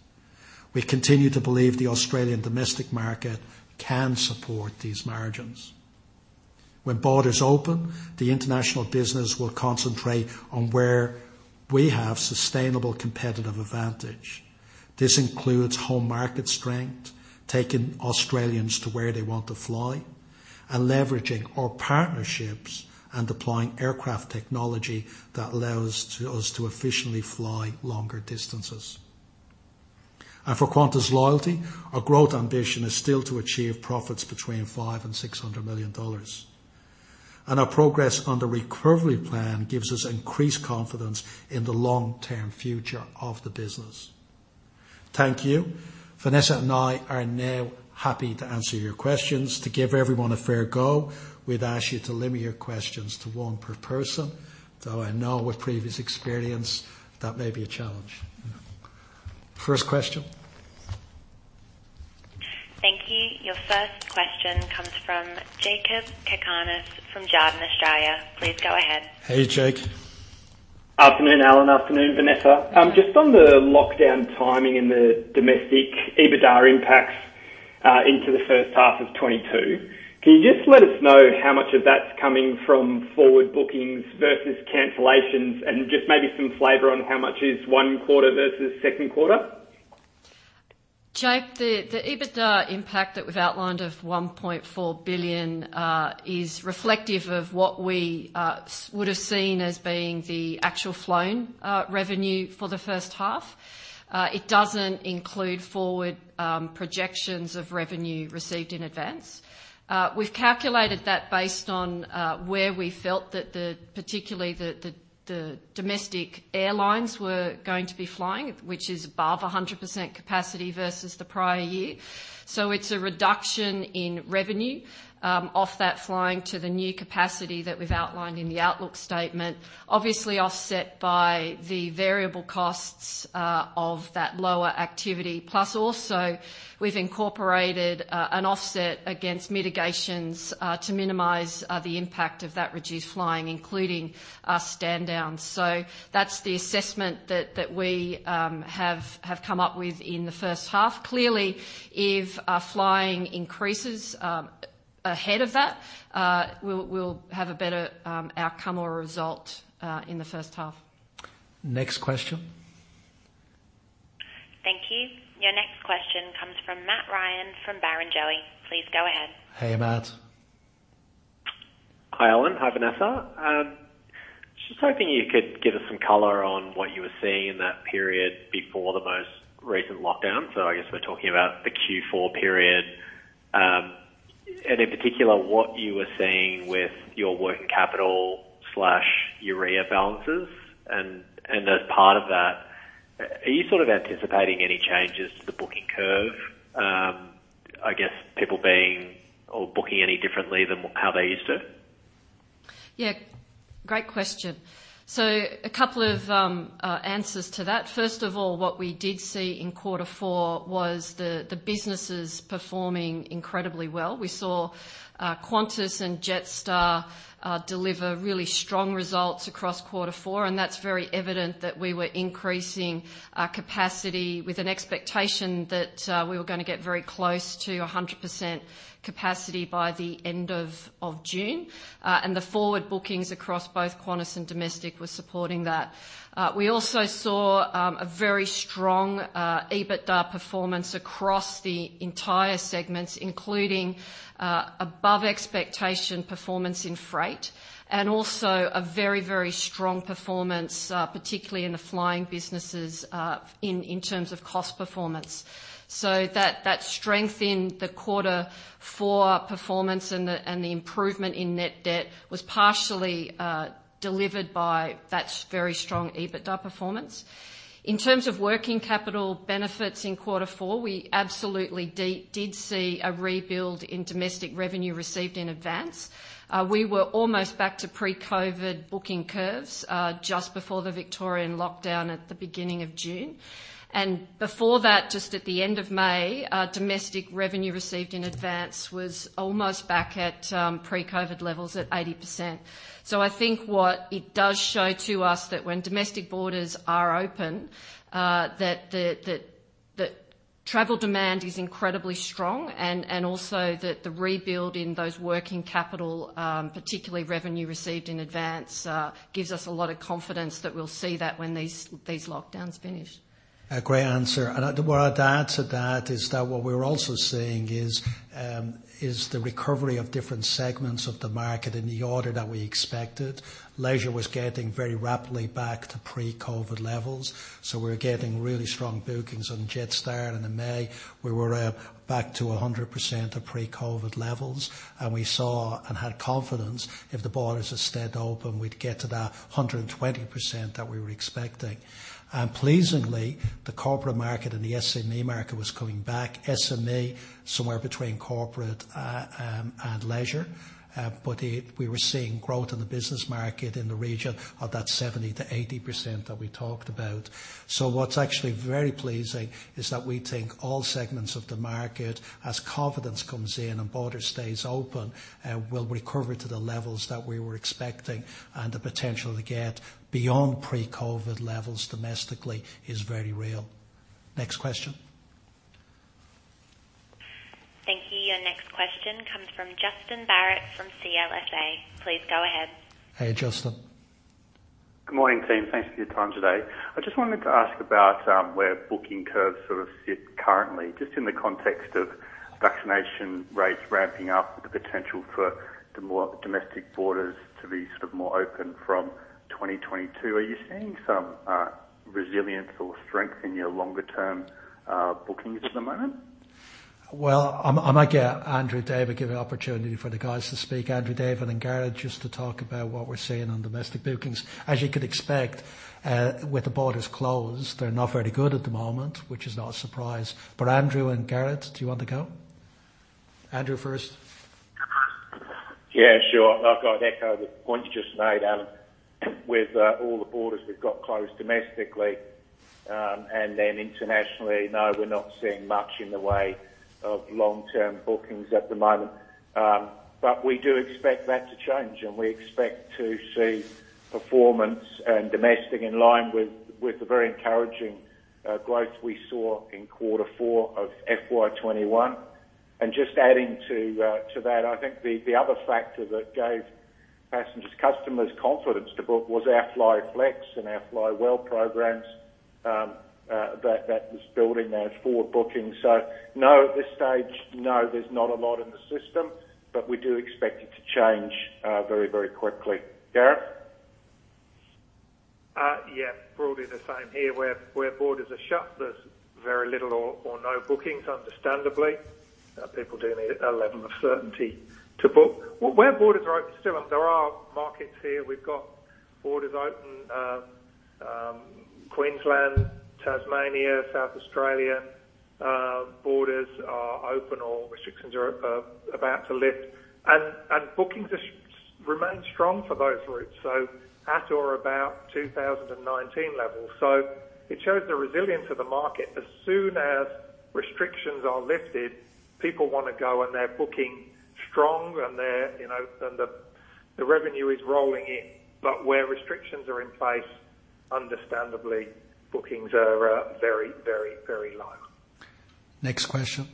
We continue to believe the Australian domestic market can support these margins. When borders open, the international business will concentrate on where we have sustainable competitive advantage. This includes home market strength, taking Australians to where they want to fly, and leveraging our partnerships and deploying aircraft technology that allows us to efficiently fly longer distances. For Qantas Loyalty, our growth ambition is still to achieve profits between 500 million and 600 million dollars. Our progress on the recovery plan gives us increased confidence in the long-term future of the business. Thank you. Vanessa and I are now happy to answer your questions. To give everyone a fair go, we would ask you to limit your questions to one per person, though I know with previous experience that may be a challenge. First question. Thank you. Your first question comes from Jakob Cakarnis from Jarden Australia. Please go ahead. Hey, Jake. Afternoon, Alan. Afternoon, Vanessa. Hi. Just on the lockdown timing and the domestic EBITDA impacts into the first half of 2022, can you just let us know how much of that's coming from forward bookings versus cancellations and just maybe some flavor on how much is one quarter versus second quarter? Jake, the EBITDA impact that we've outlined of 1.4 billion is reflective of what we would've seen as being the actual flown revenue for the first half. It doesn't include forward projections of revenue received in advance. We've calculated that based on where we felt that particularly the domestic airlines were going to be flying, which is above 100% capacity versus the prior year. It's a reduction in revenue off that flying to the new capacity that we've outlined in the outlook statement, obviously offset by the variable costs of that lower activity. Plus also, we've incorporated an offset against mitigations to minimize the impact of that reduced flying, including stand downs. That's the assessment that we have come up with in the first half. Clearly, if our flying increases, we'll have a better outcome or result in the first half. Next question. Thank you. Your next question comes from Matt Ryan from Barrenjoey. Please go ahead. Hey, Matt. Hi, Alan. Hi, Vanessa. Hoping you could give us some color on what you were seeing in that period before the most recent lockdown. I guess we're talking about the Q4 period, and in particular, what you were seeing with your working capital/RIA balances. As part of that, are you anticipating any changes to the booking curve? I guess people booking any differently than how they used to? Great question. A couple of answers to that. First of all, what we did see in Quarter four was the businesses performing incredibly well. We saw Qantas and Jetstar deliver really strong results across Quarter four, and that's very evident that we were increasing our capacity with an expectation that we were going to get very close to 100% capacity by the end of June. The forward bookings across both Qantas and Qantas Domestic were supporting that. We also saw a very strong EBITDA performance across the entire segments, including above expectation performance in Qantas Freight, and also a very strong performance, particularly in the flying businesses, in terms of cost performance. That strength in the Quarter four performance and the improvement in net debt was partially delivered by that very strong EBITDA performance. In terms of working capital benefits in Quarter four, we absolutely did see a rebuild in domestic revenue received in advance. We were almost back to pre-COVID booking curves, just before the Victorian lockdown at the beginning of June. Before that, just at the end of May, domestic revenue received in advance was almost back at pre-COVID levels at 80%. I think what it does show to us, that when domestic borders are open, that travel demand is incredibly strong, and also that the rebuild in those working capital, particularly revenue received in advance, gives us a lot of confidence that we'll see that when these lockdowns finish. A great answer. What I'd add to that is that what we're also seeing is the recovery of different segments of the market in the order that we expected. Leisure was getting very rapidly back to pre-COVID levels. We were getting really strong bookings on Jetstar, and in May, we were back to 100% of pre-COVID levels. We saw and had confidence if the borders had stayed open, we'd get to that 120% that we were expecting. Pleasingly, the corporate market and the SME market was coming back. SME, somewhere between corporate and leisure. We were seeing growth in the business market in the region of that 70%-80% that we talked about. What's actually very pleasing is that we think all segments of the market, as confidence comes in and border stays open, will recover to the levels that we were expecting, and the potential to get beyond pre-COVID levels domestically is very real. Next question. Thank you. Your next question comes from Justin Barratt from CLSA. Please go ahead. Hey, Justin. Good morning, team. Thanks for your time today. I just wanted to ask about where booking curves sit currently, just in the context of vaccination rates ramping up with the potential for the more domestic borders to be more open from 2022. Are you seeing some resilience or strength in your longer-term bookings at the moment? I might get Andrew David, give an opportunity for the guys to speak, Andrew David and Gareth, just to talk about what we're seeing on domestic bookings. As you could expect, with the borders closed, they're not very good at the moment, which is not a surprise. Andrew and Gareth, do you want a go? Andrew first. Yeah, sure. I've got to echo the point you just made, Alan. With all the borders we've got closed domestically, and then internationally, no, we're not seeing much in the way of long-term bookings at the moment. We do expect that to change, and we expect to see performance and domestic in line with the very encouraging growth we saw in Quarter four of FY 2021. Just adding to that, I think the other factor that gave passengers, customers confidence to book was our Fly Flexible and our Fly Well programs, that was building those forward bookings. No, at this stage, no, there's not a lot in the system, but we do expect it to change very quickly. Gareth? Broadly the same here. Where borders are shut, there's very little or no bookings, understandably. People do need a level of certainty to book. Where borders are open still, and there are markets here, we've got borders open, Queensland, Tasmania, South Australia, borders are open or restrictions are about to lift, and bookings remain strong for those routes. At or about 2019 levels. It shows the resilience of the market. As soon as restrictions are lifted, people want to go and they're booking strong and the revenue is rolling in. Where restrictions are in place- Understandably, bookings are very low. Next question.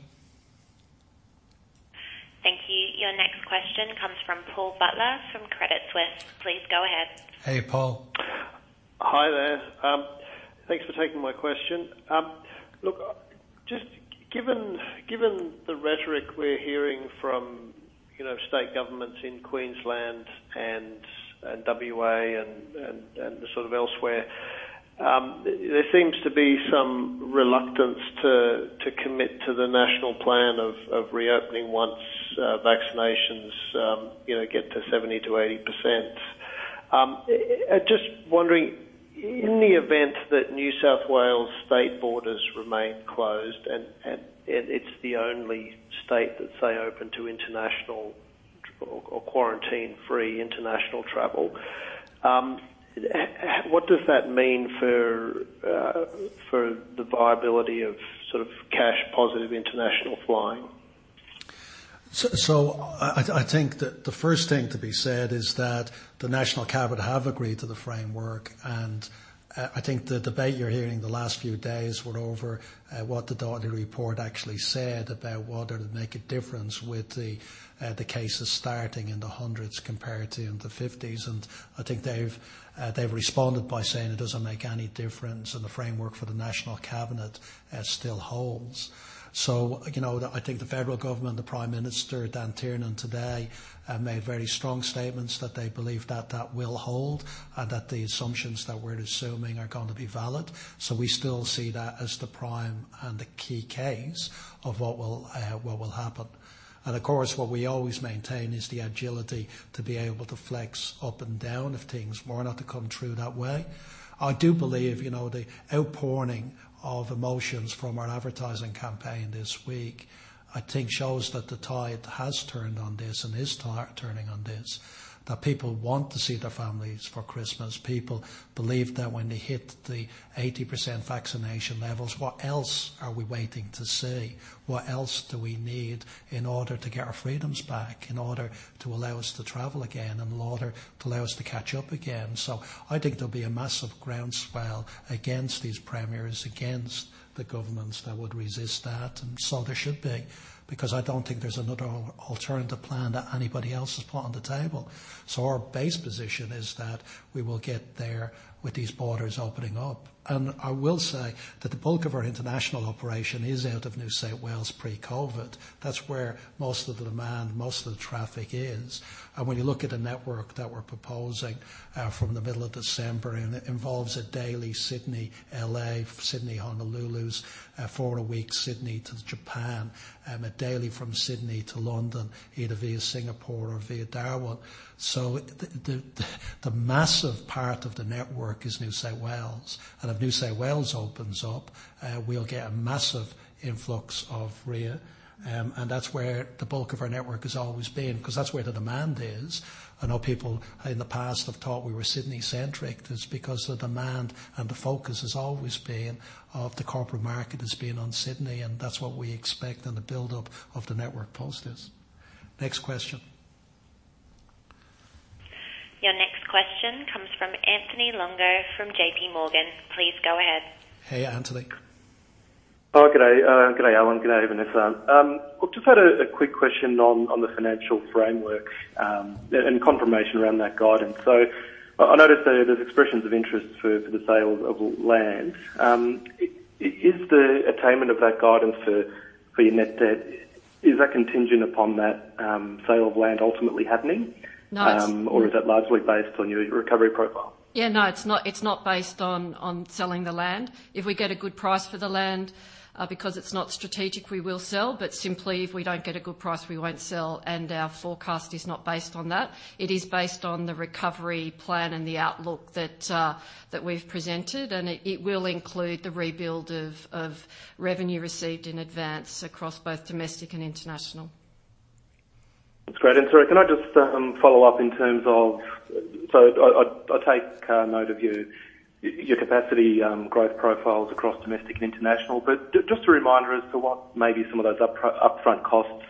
Thank you. Your next question comes from Paul Butler from Credit Suisse. Please go ahead. Hey, Paul. Hi there. Thanks for taking my question. Just given the rhetoric we're hearing from state governments in Queensland and W.A. and elsewhere, there seems to be some reluctance to commit to the National Plan of reopening once vaccinations get to 70%-80%. Just wondering, in the event that New South Wales state borders remain closed and it's the only state that say open to international or quarantine-free international travel, what does that mean for the viability of cash positive international flying? I think that the first thing to be said is that the National Cabinet have agreed to the framework. I think the debate you're hearing the last few days were over what the Doherty report actually said about whether it would make a difference with the cases starting in the hundreds compared to in the 50s. I think they've responded by saying it doesn't make any difference, and the framework for the National Cabinet still holds. I think the federal government, the Prime Minister Dan Tehan today made very strong statements that they believe that that will hold and that the assumptions that we're assuming are going to be valid. We still see that as the prime and the key case of what will happen. Of course, what we always maintain is the agility to be able to flex up and down if things were not to come through that way. I do believe, the outpouring of emotions from our advertising campaign this week, I think, shows that the tide has turned on this and is turning on this, that people want to see their families for Christmas. People believe that when they hit the 80% vaccination levels, what else are we waiting to see? What else do we need in order to get our freedoms back, in order to allow us to travel again, in order to allow us to catch up again? I think there'll be a massive groundswell against these premiers, against the governments that would resist that, and so there should be, because I don't think there's another alternative plan that anybody else has put on the table. Our base position is that we will get there with these borders opening up. I will say that the bulk of our international operation is out of New South Wales pre-COVID. That's where most of the demand, most of the traffic is. When you look at the network that we're proposing from the middle of December, it involves a daily Sydney-L.A., Sydney-Honolulu, four-a-week Sydney to Japan, a daily from Sydney to London, either via Singapore or via Darwin. The massive part of the network is New South Wales. If New South Wales opens up, we'll get a massive influx. That's where the bulk of our network has always been, because that's where the demand is. I know people in the past have thought we were Sydney-centric. That's because the demand and the focus has always been of the corporate market that's been on Sydney, and that's what we expect in the buildup of the network post this. Next question. Your next question comes from Anthony Longo from JPMorgan. Please go ahead. Hey, Anthony. Oh, good day. Good day, Alan. Good day, Vanessa. Just had a quick question on the financial framework, and confirmation around that guidance. I noticed there's expressions of interest for the sale of land. Is the attainment of that guidance for your net debt, is that contingent upon that sale of land ultimately happening? No. Is that largely based on your recovery profile? Yeah, no, it's not based on selling the land. If we get a good price for the land, because it's not strategic, we will sell. Simply, if we don't get a good price, we won't sell, and our forecast is not based on that. It is based on the recovery plan and the outlook that we've presented, and it will include the rebuild of revenue received in advance across both domestic and international. That's great. Sorry, can I just follow up in terms of So I take note of your capacity growth profiles across Domestic and International, but just a reminder as to what maybe some of those upfront costs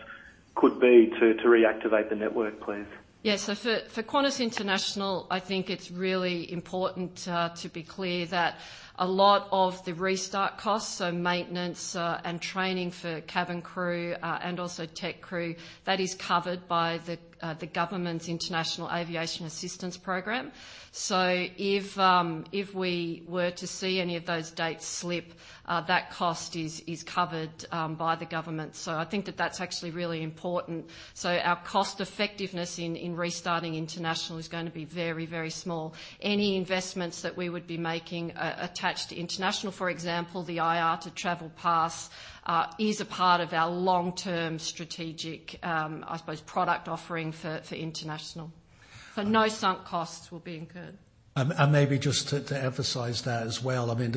could be to reactivate the network, please. For Qantas International, I think it's really important to be clear that a lot of the restart costs, so maintenance and training for cabin crew, and also tech crew, that is covered by the government's International Aviation Support program. If we were to see any of those dates slip, that cost is covered by the government. I think that that's actually really important. Our cost effectiveness in restarting international is going to be very small. Any investments that we would be making attached to international, for example, the IATA Travel Pass, is a part of our long-term strategic, I suppose, product offering for international. No sunk costs will be incurred. Maybe just to emphasize that as well, we've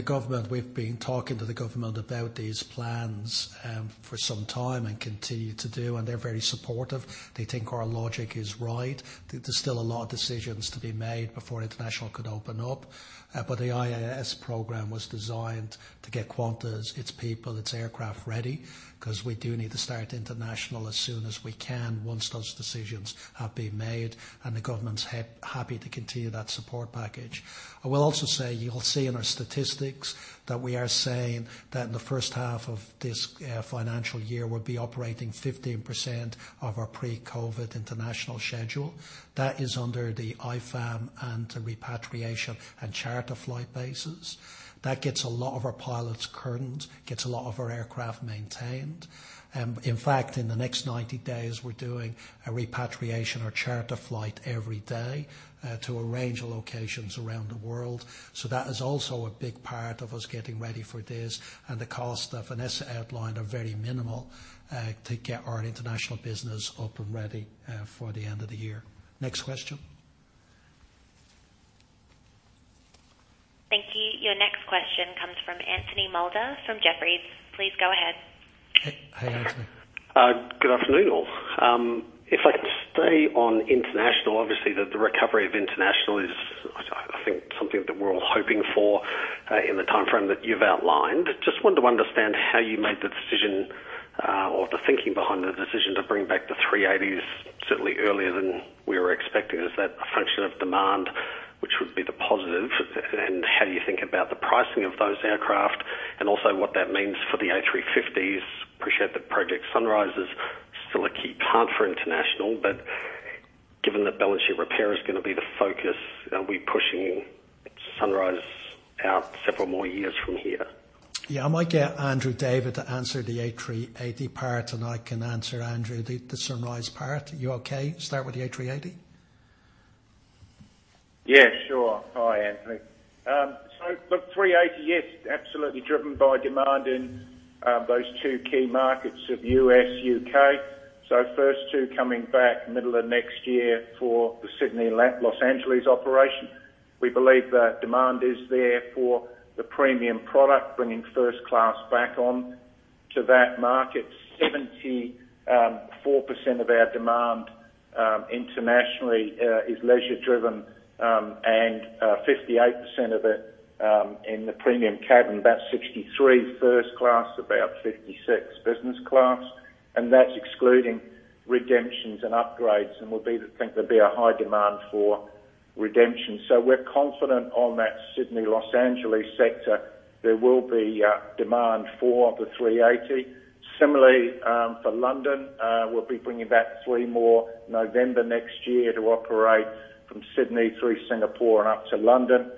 been talking to the government about these plans for some time and continue to do, and they're very supportive. They think our logic is right. There's still a lot of decisions to be made before international could open up. The IAS program was designed to get Qantas, its people, its aircraft ready, because we do need to start international as soon as we can once those decisions have been made, and the government's happy to continue that support package. I will also say, you'll see in our statistics that we are saying that in the first half of this financial year, we'll be operating 15% of our pre-COVID international schedule. That is under the IFAM and the repatriation and charter flight basis. That gets a lot of our pilots current, gets a lot of our aircraft maintained. In fact, in the next 90 days, we're doing a repatriation or charter flight every day to a range of locations around the world. That is also a big part of us getting ready for this. The costs that Vanessa outlined are very minimal to get our international business up and ready for the end of the year. Next question. Thank you. Your next question comes from Anthony Moulder from Jefferies. Please go ahead. Hey, Anthony. Good afternoon, all. If I could stay on international, obviously the recovery of international is, I think, something that we're all hoping for in the timeframe that you've outlined. Just wanted to understand how you made the decision or the thinking behind the decision to bring back the A380s certainly earlier than we were expecting. Is that a function of demand, which would be the positive? How do you think about the pricing of those aircraft and also what that means for the A350s? Appreciate that Project Sunrise is still a key part for international, but given that balance sheet repair is going to be the focus, are we pushing Sunrise out several more years from here? Yeah, I might get Andrew David to answer the A380 part. I can answer Andrew, the Sunrise part. You okay? Start with the A380. Yeah, sure. Hi, Anthony. Look, A380, yes, absolutely driven by demand in those 2 key markets of U.S., U.K. First two coming back middle of next year for the Sydney-Los Angeles operation. We believe that demand is there for the premium product, bringing first class back on to that market. 74% of our demand internationally is leisure driven, and 58% of it in the premium cabin. That's 63 first class, about 56 business class, and that's excluding redemptions and upgrades, and we think there'll be a high demand for redemption. We're confident on that Sydney-Los Angeles sector, there will be demand for the A380. Similarly, for London, we'll be bringing back three more November next year to operate from Sydney through Singapore and up to London.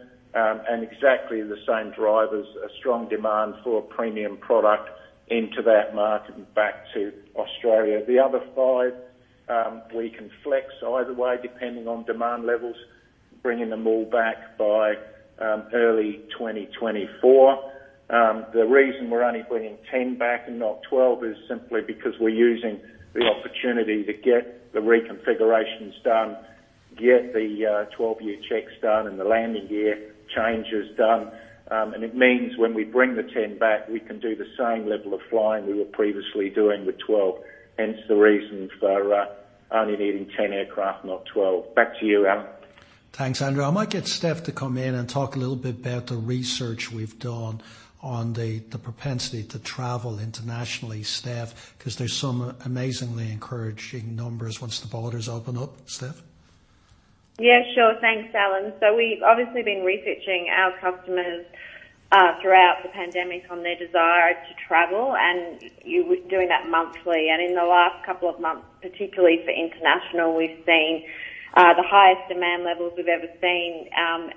Exactly the same drivers, a strong demand for a premium product into that market and back to Australia. The other five we can flex either way depending on demand levels, bringing them all back by early 2024. The reason we're only bringing 10 back and not 12 is simply because we're using the opportunity to get the reconfigurations done, get the 12-year checks done, and the landing gear changes done. It means when we bring the 10 back, we can do the same level of flying we were previously doing with 12, hence the reason for only needing 10 aircraft, not 12. Back to you, Alan. Thanks, Andrew. I might get Steph to come in and talk a little bit about the research we've done on the propensity to travel internationally, Steph, because there's some amazingly encouraging numbers once the borders open up. Steph? Yeah, sure. Thanks, Alan. We've obviously been researching our customers throughout the pandemic on their desire to travel, and we're doing that monthly. In the last couple of months, particularly for international, we've seen the highest demand levels we've ever seen.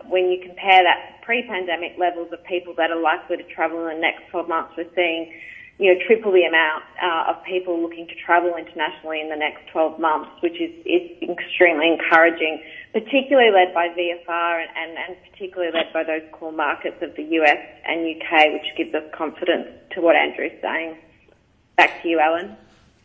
When you compare that to pre-pandemic levels of people that are likely to travel in the next 12 months, we're seeing triple the amount of people looking to travel internationally in the next 12 months, which is extremely encouraging, particularly led by VFR and particularly led by those core markets of the U.S. and U.K., which gives us confidence to what Andrew's saying. Back to you, Alan.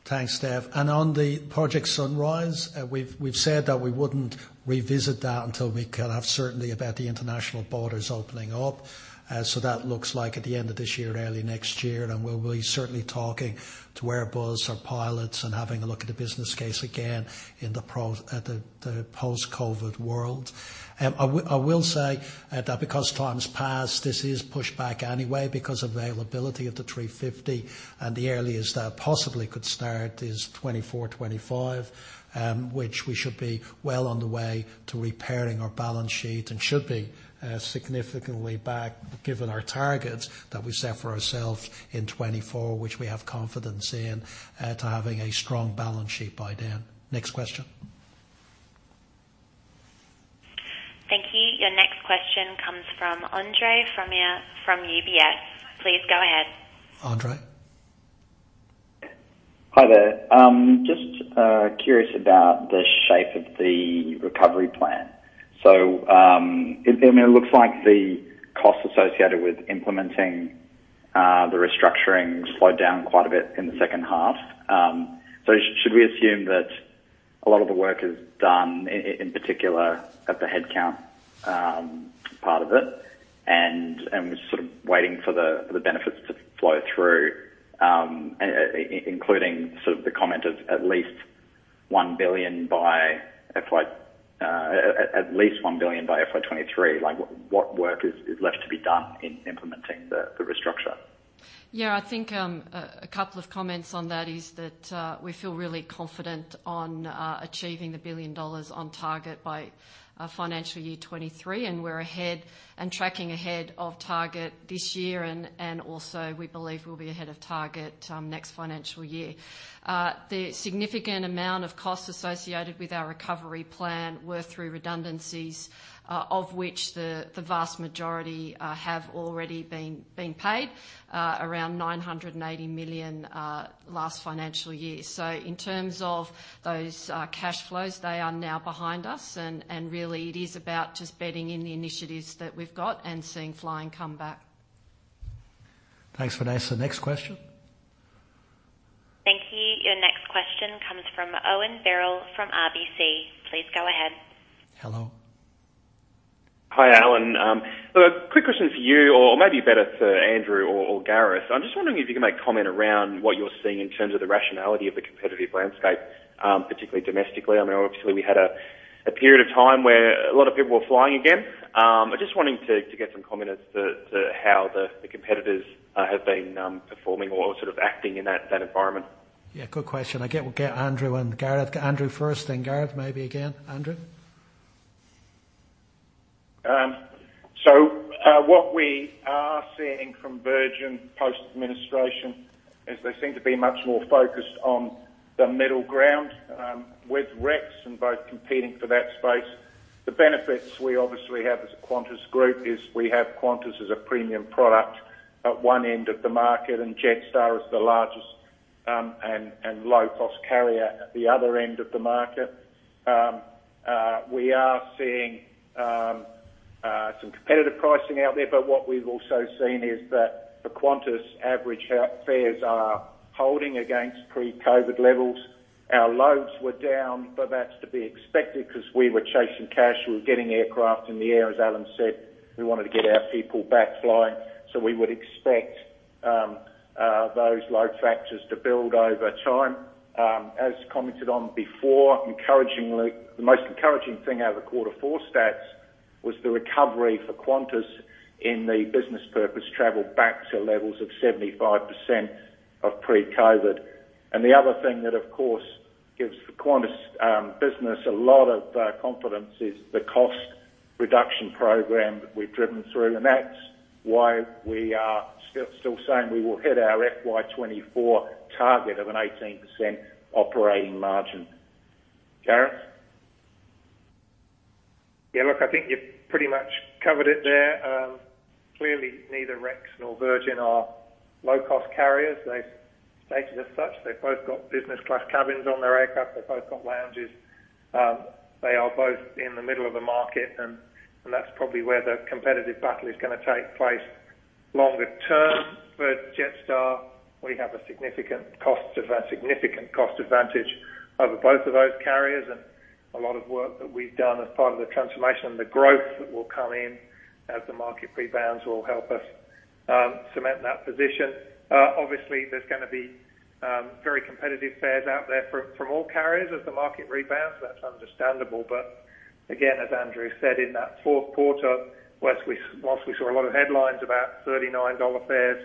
Thanks, Steph. On the Project Sunrise, we've said that we wouldn't revisit that until we can have certainty about the international borders opening up. That looks like at the end of this year, early next year, and we'll be certainly talking to our pilots, and having a look at the business case again in the post-COVID world. I will say that because time's passed, this is pushed back anyway because availability of the A350 and the earliest that possibly could start is 2024, 2025, which we should be well on the way to repairing our balance sheet and should be significantly back given our targets that we set for ourselves in 2024, which we have confidence in to having a strong balance sheet by then. Next question. Thank you. Your next question comes from Andre from UBS. Please go ahead. Andre? Hi there. Just curious about the shape of the recovery plan. It looks like the cost associated with implementing the restructuring slowed down quite a bit in the second half. Should we assume that a lot of the work is done, in particular at the headcount part of it, and we're just sort of waiting for the benefits to flow through, including sort of the comment of at least 1 billion by FY 2023? Like, what work is left to be done in implementing the restructure? Yeah, I think a couple of comments on that is that we feel really confident on achieving the 1 billion dollars on target by FY 2023, and we're ahead and tracking ahead of target this year and also we believe we'll be ahead of target next financial year. The significant amount of costs associated with our recovery plan were through redundancies, of which the vast majority have already been paid, around 980 million, last financial year. In terms of those cash flows, they are now behind us and really it is about just bedding in the initiatives that we've got and seeing flying come back. Thanks for that. Next question. Thank you. Your next question comes from Owen Birrell from RBC. Please go ahead. Hello. Hi, Alan. Look, quick question for you, or maybe better for Andrew or Gareth. I'm just wondering if you can make a comment around what you're seeing in terms of the rationality of the competitive landscape, particularly domestically. I mean, obviously we had a period of time where a lot of people were flying again. I'm just wanting to get some comments as to how the competitors have been performing or sort of acting in that environment. Yeah, good question. I guess we'll get Andrew and Gareth. Andrew first, then Gareth maybe again. Andrew? What we are seeing from Virgin post-administration is they seem to be much more focused on the middle ground with Rex and both competing for that space. The benefits we obviously have as a Qantas Group is we have Qantas as a premium product at one end of the market and Jetstar as the largest and low-cost carrier at the other end of the market. We are seeing some competitive pricing out there, but what we've also seen is that the Qantas average fares are holding against pre-COVID levels. Our loads were down, but that's to be expected because we were chasing cash. We were getting aircraft in the air, as Alan said. We wanted to get our people back flying. We would expect those load factors to build over time. As commented on before, the most encouraging thing out of the quarter four stats was the recovery for Qantas in the business purpose travel back to levels of 75% of pre-COVID. The other thing that of course gives the Qantas business a lot of confidence is the cost reduction program that we've driven through. That's why we are still saying we will hit our FY 2024 target of an 18% operating margin. Gareth? Yeah, look, I think you've pretty much covered it there. Clearly, neither Rex nor Virgin are low-cost carriers. They've stated as such. They've both got business class cabins on their aircraft. They've both got lounges. They are both in the middle of the market, and that's probably where the competitive battle is going to take place. Longer term for Jetstar, we have a significant cost advantage over both of those carriers and a lot of work that we've done as part of the transformation and the growth that will come in as the market rebounds will help us cement that position. Obviously, there's going to be very competitive fares out there from all carriers as the market rebounds. That's understandable. Again, as Andrew said, in that fourth quarter, while we saw a lot of headlines about 39 dollar fares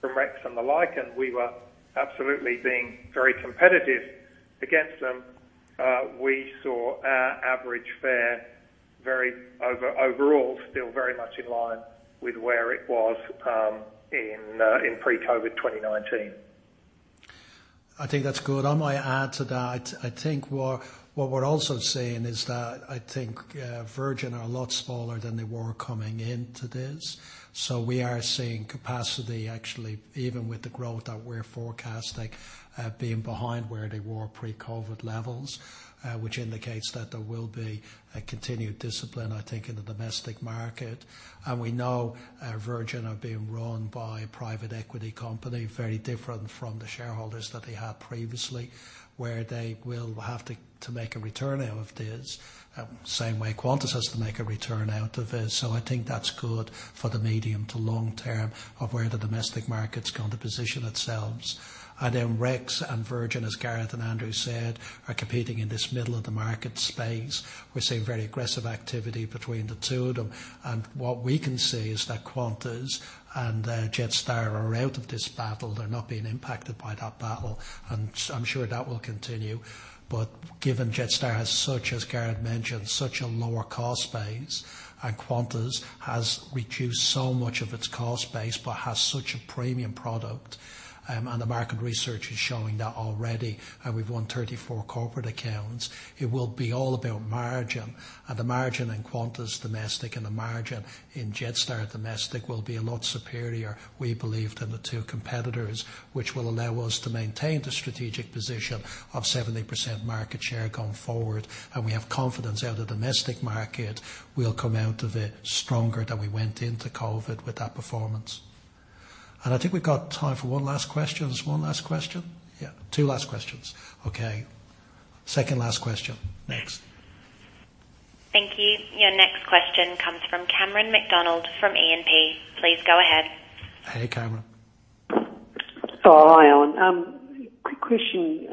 from Rex and the like, and we were absolutely being very competitive against them, we saw our average fare overall still very much in line with where it was in pre-COVID 2019. I think that's good. I might add to that. I think what we're also seeing is that I think Virgin are a lot smaller than they were coming into this. We are seeing capacity actually, even with the growth that we're forecasting, being behind where they were pre-COVID levels, which indicates that there will be a continued discipline, I think, in the domestic market. We know Virgin are being run by a private equity company, very different from the shareholders that they had previously, where they will have to make a return out of this, same way Qantas has to make a return out of it. I think that's good for the medium to long term of where the domestic market's going to position itself. Rex and Virgin, as Gareth and Andrew said, are competing in this middle of the market space. We're seeing very aggressive activity between the two of them. What we can see is that Qantas and Jetstar are out of this battle. They're not being impacted by that battle, and I'm sure that will continue. Given Jetstar has such, as Gareth mentioned, such a lower cost base and Qantas has reduced so much of its cost base, but has such a premium product and the market research is showing that already, and we've won 34 corporate accounts, it will be all about margin and the margin in Qantas Domestic and the margin in Jetstar Domestic will be a lot superior, we believe, than the two competitors, which will allow us to maintain the strategic position of 70% market share going forward. We have confidence our domestic market will come out of it stronger than we went into COVID with that performance. I think we've got time for one last question. There's one last question? Yeah. Two last questions. Okay. Second last question. Next. Thank you. Your next question comes from Cameron McDonald from E&P. Please go ahead. Hey, Cameron. Oh, hi, Alan. Quick question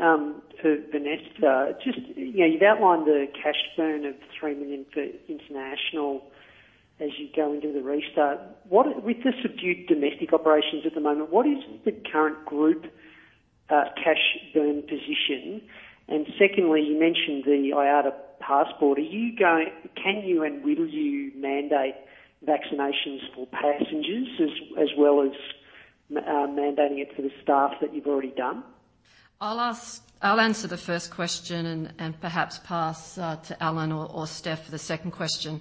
for Vanessa. You've outlined the cash burn of 3 million for international as you go into the restart. With the subdued domestic operations at the moment, what is the current group cash burn position? Secondly, you mentioned the IATA Travel Pass. Can you and will you mandate vaccinations for passengers as well as mandating it for the staff that you've already done? I'll answer the first question and perhaps pass to Alan or Steph for the second question.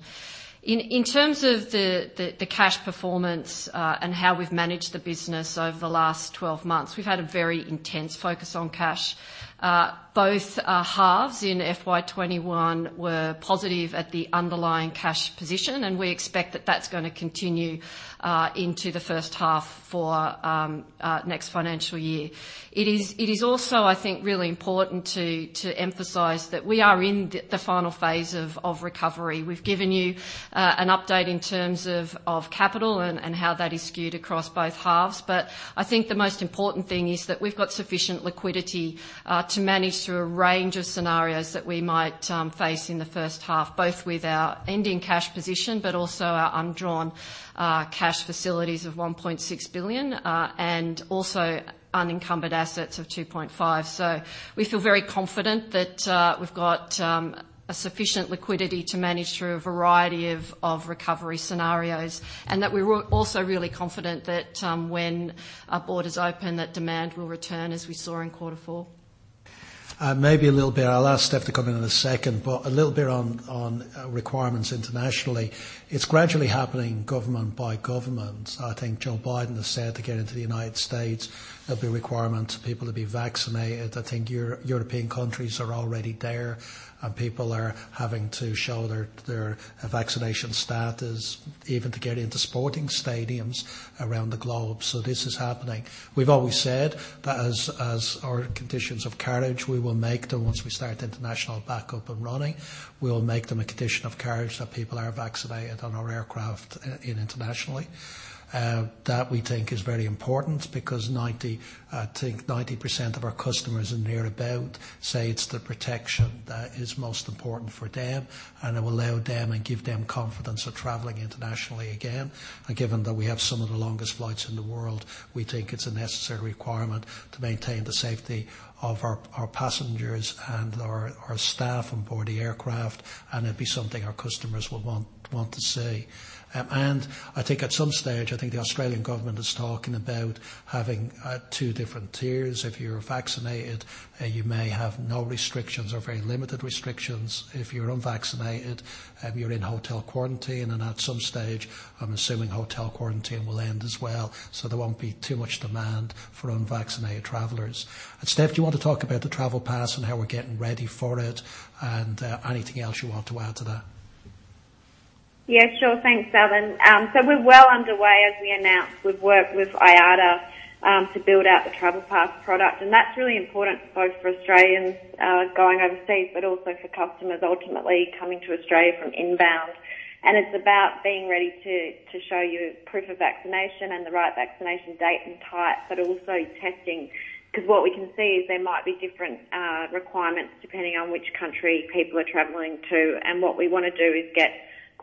In terms of the cash performance, and how we've managed the business over the last 12 months, we've had a very intense focus on cash. Both halves in FY 2021 were positive at the underlying cash position, and we expect that that's going to continue into the first half for next financial year. It is also, I think, really important to emphasize that we are in the final phase of recovery. We've given you an update in terms of capital and how that is skewed across both halves. I think the most important thing is that we've got sufficient liquidity to manage through a range of scenarios that we might face in the first half, both with our ending cash position, but also our undrawn cash facilities of 1.6 billion, and also unencumbered assets of 2.5 billion. We feel very confident that we've got a sufficient liquidity to manage through a variety of recovery scenarios, and that we're also really confident that when our borders open, that demand will return as we saw in quarter four. Maybe a little bit, I'll ask Steph to come in in a second, but a little bit on requirements internationally. It's gradually happening government by government. I think Joe Biden has said to get into the U.S., there'll be a requirement for people to be vaccinated. I think European countries are already there, and people are having to show their vaccination status even to get into sporting stadiums around the globe. This is happening. We've always said that as our conditions of carriage, we will make them once we start international back up and running, we'll make them a condition of carriage that people are vaccinated on our aircraft internationally. That we think is very important because I think 90% of our customers and thereabout say it's the protection that is most important for them, and it will allow them and give them confidence of traveling internationally again. Given that we have some of the longest flights in the world, we think it's a necessary requirement to maintain the safety of our passengers and our staff on board the aircraft, and it'd be something our customers would want to see. I think at some stage, I think the Australian government is talking about having two different tiers. If you're vaccinated, you may have no restrictions or very limited restrictions. If you're unvaccinated, you're in hotel quarantine. At some stage, I'm assuming hotel quarantine will end as well. So there won't be too much demand for unvaccinated travelers. Steph, do you want to talk about the Travel Pass and how we're getting ready for it and anything else you want to add to that? Yeah, sure. Thanks, Alan. We're well underway, as we announced, with work with IATA to build out the travel pass product, that's really important both for Australians going overseas, but also for customers ultimately coming to Australia from inbound. It's about being ready to show you proof of vaccination and the right vaccination date and type, but also testing, because what we can see is there might be different requirements depending on which country people are traveling to. What we want to do is get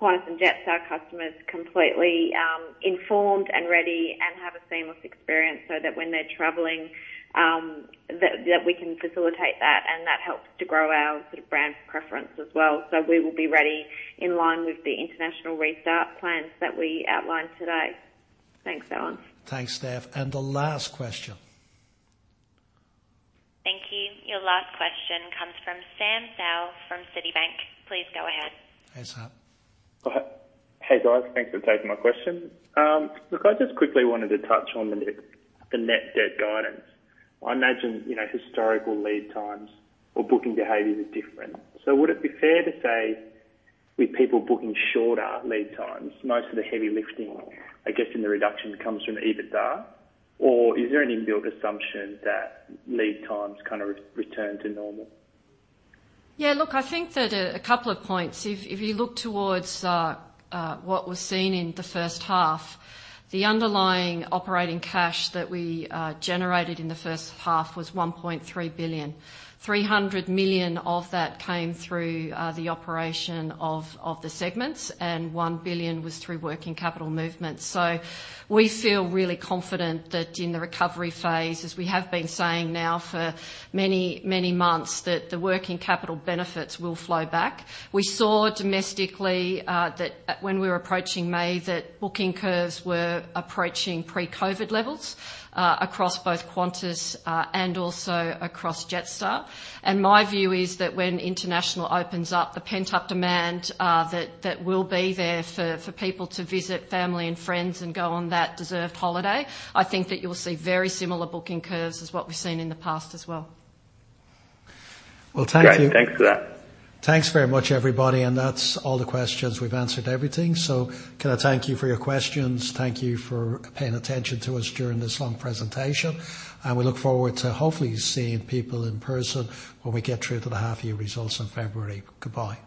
Qantas and Jetstar customers completely informed and ready and have a seamless experience so that when they're traveling, that we can facilitate that, and that helps to grow our brand preference as well. We will be ready in line with the international restart plans that we outlined today. Thanks, Alan. Thanks, Steph. The last question. Thank you. Your last question comes from Sam Seow from Citi. Please go ahead. Hey, Sam. Hey, guys. Thanks for taking my question. Look, I just quickly wanted to touch on the net debt guidance. I imagine historical lead times or booking behaviors are different. Would it be fair to say with people booking shorter lead times, most of the heavy lifting, I guess, in the reduction comes from EBITDA? Or is there an inbuilt assumption that lead times kind of return to normal? Yeah, look, I think that a couple of points. If you look towards what was seen in the first half, the underlying operating cash that we generated in the first half was 1.3 billion. 300 million of that came through the operation of the segments, and 1 billion was through working capital movements. We feel really confident that in the recovery phase, as we have been saying now for many, many months, that the working capital benefits will flow back. We saw domestically that when we were approaching May, that booking curves were approaching pre-COVID levels across both Qantas and also across Jetstar. My view is that when international opens up, the pent-up demand that will be there for people to visit family and friends and go on that deserved holiday, I think that you'll see very similar booking curves as what we've seen in the past as well. Well, thank you. Great. Thanks for that. Thanks very much, everybody. That's all the questions. We've answered everything. Can I thank you for your questions. Thank you for paying attention to us during this long presentation, and we look forward to hopefully seeing people in person when we get through to the half year results in February. Goodbye.